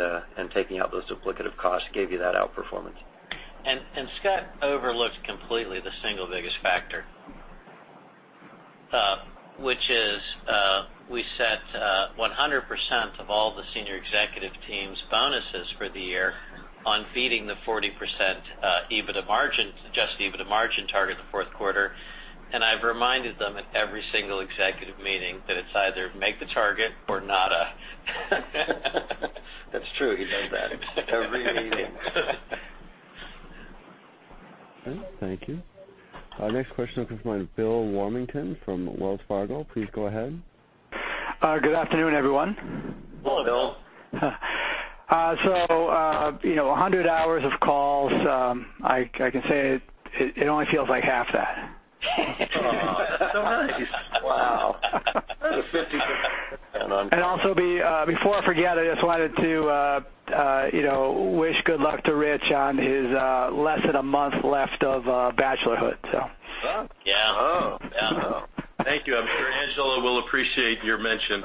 taking out those duplicative costs gave you that outperformance. Scott overlooked completely the single biggest factor, which is we set 100% of all the senior executive team's bonuses for the year on beating the 40% adjusted EBITDA margin target in the fourth quarter. I've reminded them at every single executive meeting that it's either make the target or nada. That's true. He does that every meeting. Okay, thank you. Our next question comes from Bill Warmington from Wells Fargo. Please go ahead. Good afternoon, everyone. Hello, Bill. 100 hours of calls, I can say it only feels like half that. That's so nice. Wow. That's a 50%. Also, before I forget, I just wanted to wish good luck to Rich on his less than a month left of bachelorhood. Yeah. Oh. Thank you. I'm sure Angela will appreciate your mention.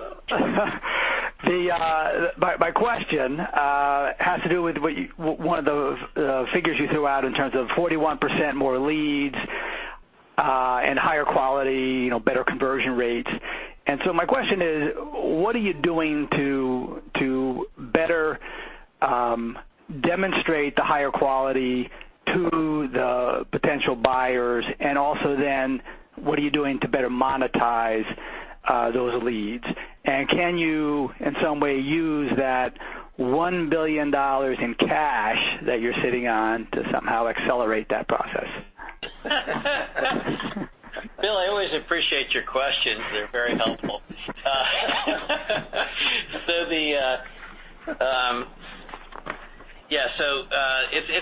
My question has to do with one of the figures you threw out in terms of 41% more leads and higher quality, better conversion rates. My question is, what are you doing to better demonstrate the higher quality to the potential buyers? What are you doing to better monetize those leads? Can you, in some way, use that $1 billion in cash that you're sitting on to somehow accelerate that process? Bill, I always appreciate your questions. They're very helpful.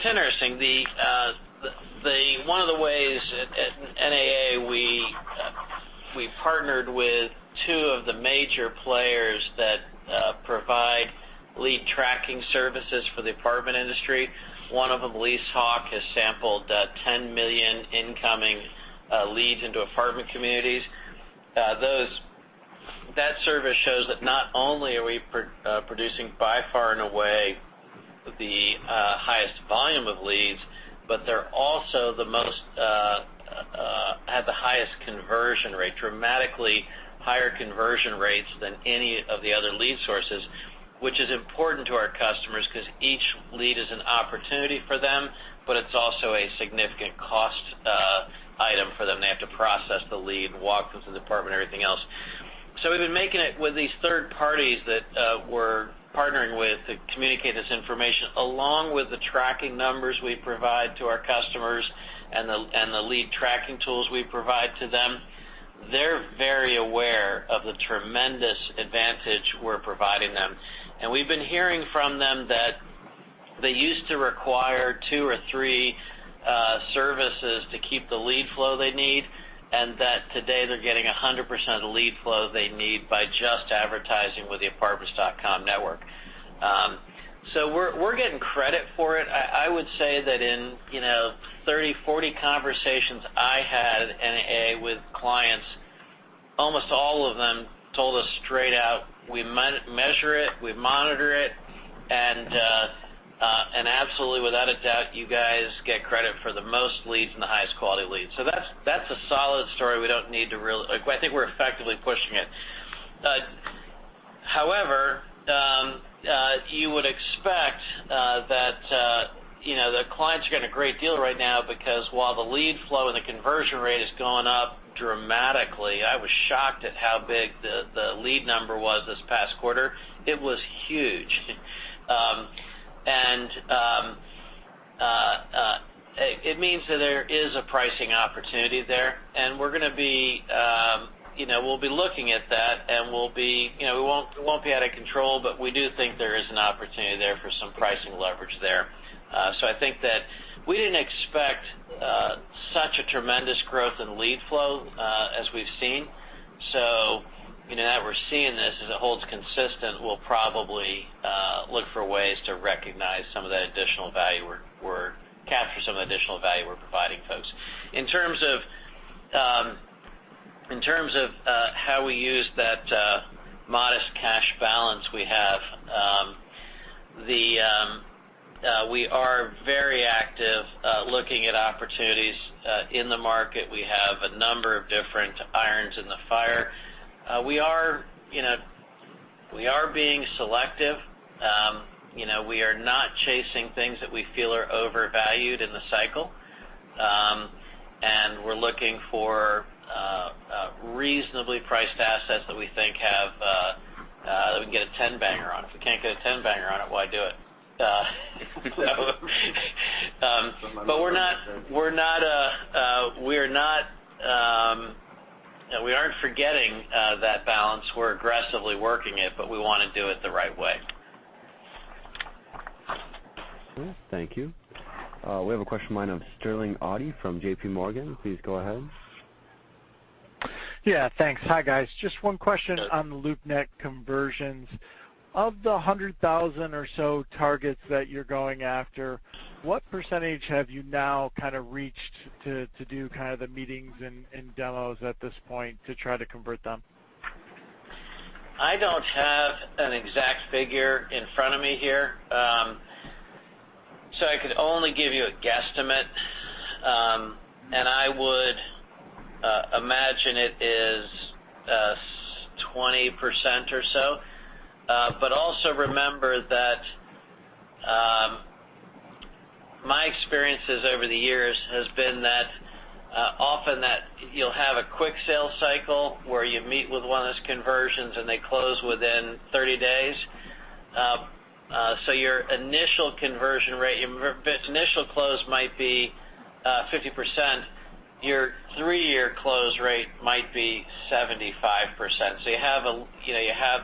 It's interesting. One of the ways at NAA, we partnered with two of the major players that provide lead tracking services for the apartment industry. One of them, LeaseHawk, has sampled 10 million incoming leads into apartment communities. That service shows that not only are we producing by far and away the highest volume of leads, but they're also have the highest conversion rate, dramatically higher conversion rates than any of the other lead sources, which is important to our customers because each lead is an opportunity for them, but it's also a significant cost item for them. They have to process the lead, walk through the apartment, everything else. We've been making it with these third parties that we're partnering with to communicate this information, along with the tracking numbers we provide to our customers and the lead tracking tools we provide to them. They're very aware of the tremendous advantage we're providing them. We've been hearing from them that They used to require two or three services to keep the lead flow they need, and that today they're getting 100% of the lead flow they need by just advertising with the Apartments.com network. We're getting credit for it. I would say that in 30, 40 conversations I had with clients, almost all of them told us straight out, "We measure it, we monitor it, and absolutely without a doubt, you guys get credit for the most leads and the highest quality leads." That's a solid story we don't need to. I think we're effectively pushing it. However, you would expect that the clients are getting a great deal right now because while the lead flow and the conversion rate has gone up dramatically, I was shocked at how big the lead number was this past quarter. It was huge. It means that there is a pricing opportunity there, and we'll be looking at that and we won't be out of control, but we do think there is an opportunity there for some pricing leverage there. I think that we didn't expect such a tremendous growth in lead flow as we've seen. Now that we're seeing this, as it holds consistent, we'll probably look for ways to recognize some of that additional value, or capture some of the additional value we're providing folks. In terms of how we use that modest cash balance we have, we are very active looking at opportunities in the market. We have a number of different irons in the fire. We are being selective. We are not chasing things that we feel are overvalued in the cycle. We're looking for reasonably priced assets that we think have that we can get a 10-banger on. If we can't get a 10-banger on it, why do it? We aren't forgetting that balance. We're aggressively working it, but we want to do it the right way. Okay, thank you. We have a question of the line of Sterling Auty from JPMorgan. Please go ahead. Yeah, thanks. Hi, guys. Just one question on the LoopNet conversions. Of the 100,000 or so targets that you're going after, what % have you now kind of reached to do kind of the meetings and demos at this point to try to convert them? I don't have an exact figure in front of me here. I could only give you a guesstimate. I would imagine it is 20% or so. Also remember that my experiences over the years has been that often that you'll have a quick sale cycle where you meet with one of those conversions, and they close within 30 days. Your initial conversion rate, initial close might be 50%. Your three-year close rate might be 75%. You have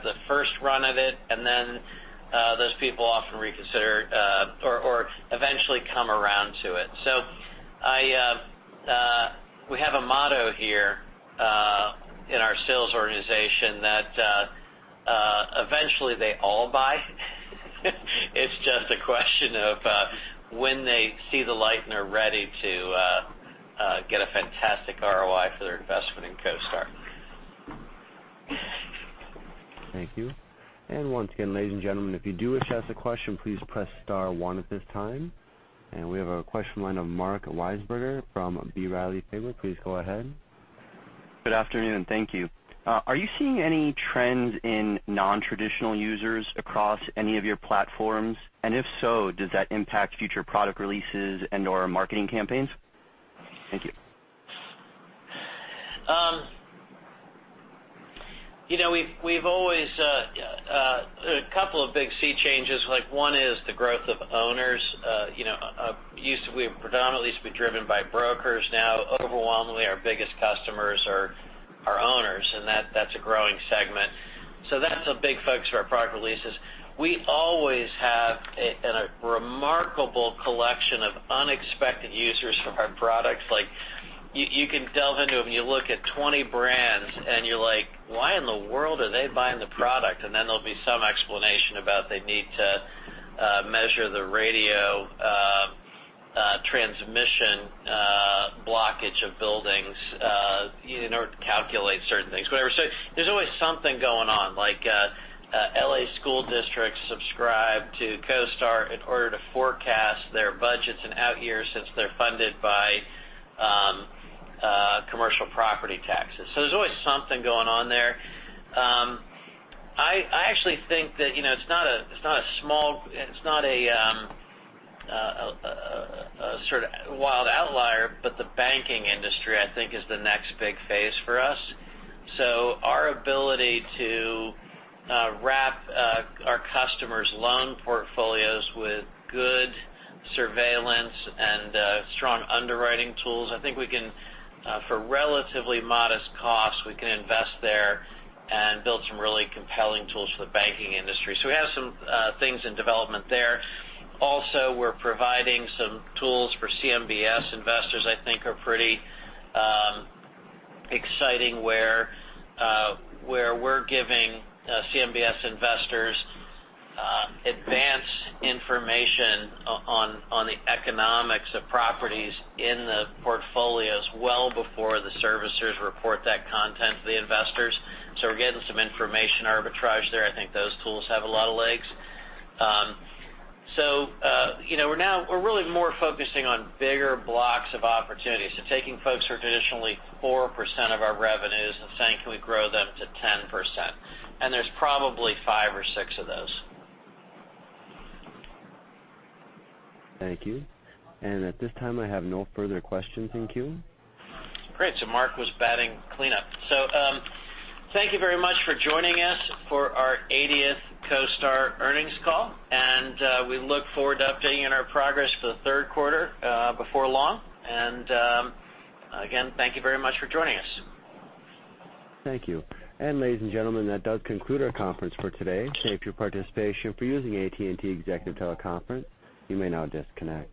the first run of it, and then those people often reconsider or eventually come around to it. We have a motto here in our sales organization that eventually they all buy. It's just a question of when they see the light and are ready to get a fantastic ROI for their investment in CoStar. Thank you. Once again, ladies and gentlemen, if you do wish to ask a question, please press star one at this time. We have a question line of Mark Mahaney from B. Riley FBR. Please go ahead. Good afternoon. Thank you. Are you seeing any trends in non-traditional users across any of your platforms? If so, does that impact future product releases and/or marketing campaigns? Thank you. A couple of big sea changes, like one is the growth of owners. We predominantly used to be driven by brokers. Overwhelmingly, our biggest customers are owners, and that's a growing segment. That's a big focus for our product releases. We always have a remarkable collection of unexpected users for our products. You can delve into them. You look at 20 brands, and you're like, "Why in the world are they buying the product?" There'll be some explanation about they need to measure the radio transmission blockage of buildings in order to calculate certain things. Whatever. There's always something going on, like L.A. school districts subscribe to CoStar in order to forecast their budgets in out years since they're funded by commercial property taxes. There's always something going on there. I actually think that it's not a wild outlier, the banking industry, I think, is the next big phase for us. Our ability to wrap our customers' loan portfolios with good surveillance and strong underwriting tools, I think for relatively modest costs, we can invest there and build some really compelling tools for the banking industry. We have some things in development there. Also, we're providing some tools for CMBS investors I think are pretty exciting, where we're giving CMBS investors advanced information on the economics of properties in the portfolios well before the servicers report that content to the investors. We're getting some information arbitrage there. I think those tools have a lot of legs. We're really more focusing on bigger blocks of opportunities. Taking folks who are traditionally 4% of our revenues and saying, "Can we grow them to 10%?" There's probably five or six of those. Thank you. At this time, I have no further questions in queue. Great. Mark was batting cleanup. Thank you very much for joining us for our 80th CoStar earnings call, and we look forward to updating on our progress for the third quarter before long. Again, thank you very much for joining us. Thank you. Ladies and gentlemen, that does conclude our conference for today. Thank you for your participation for using AT&T Executive Teleconference. You may now disconnect.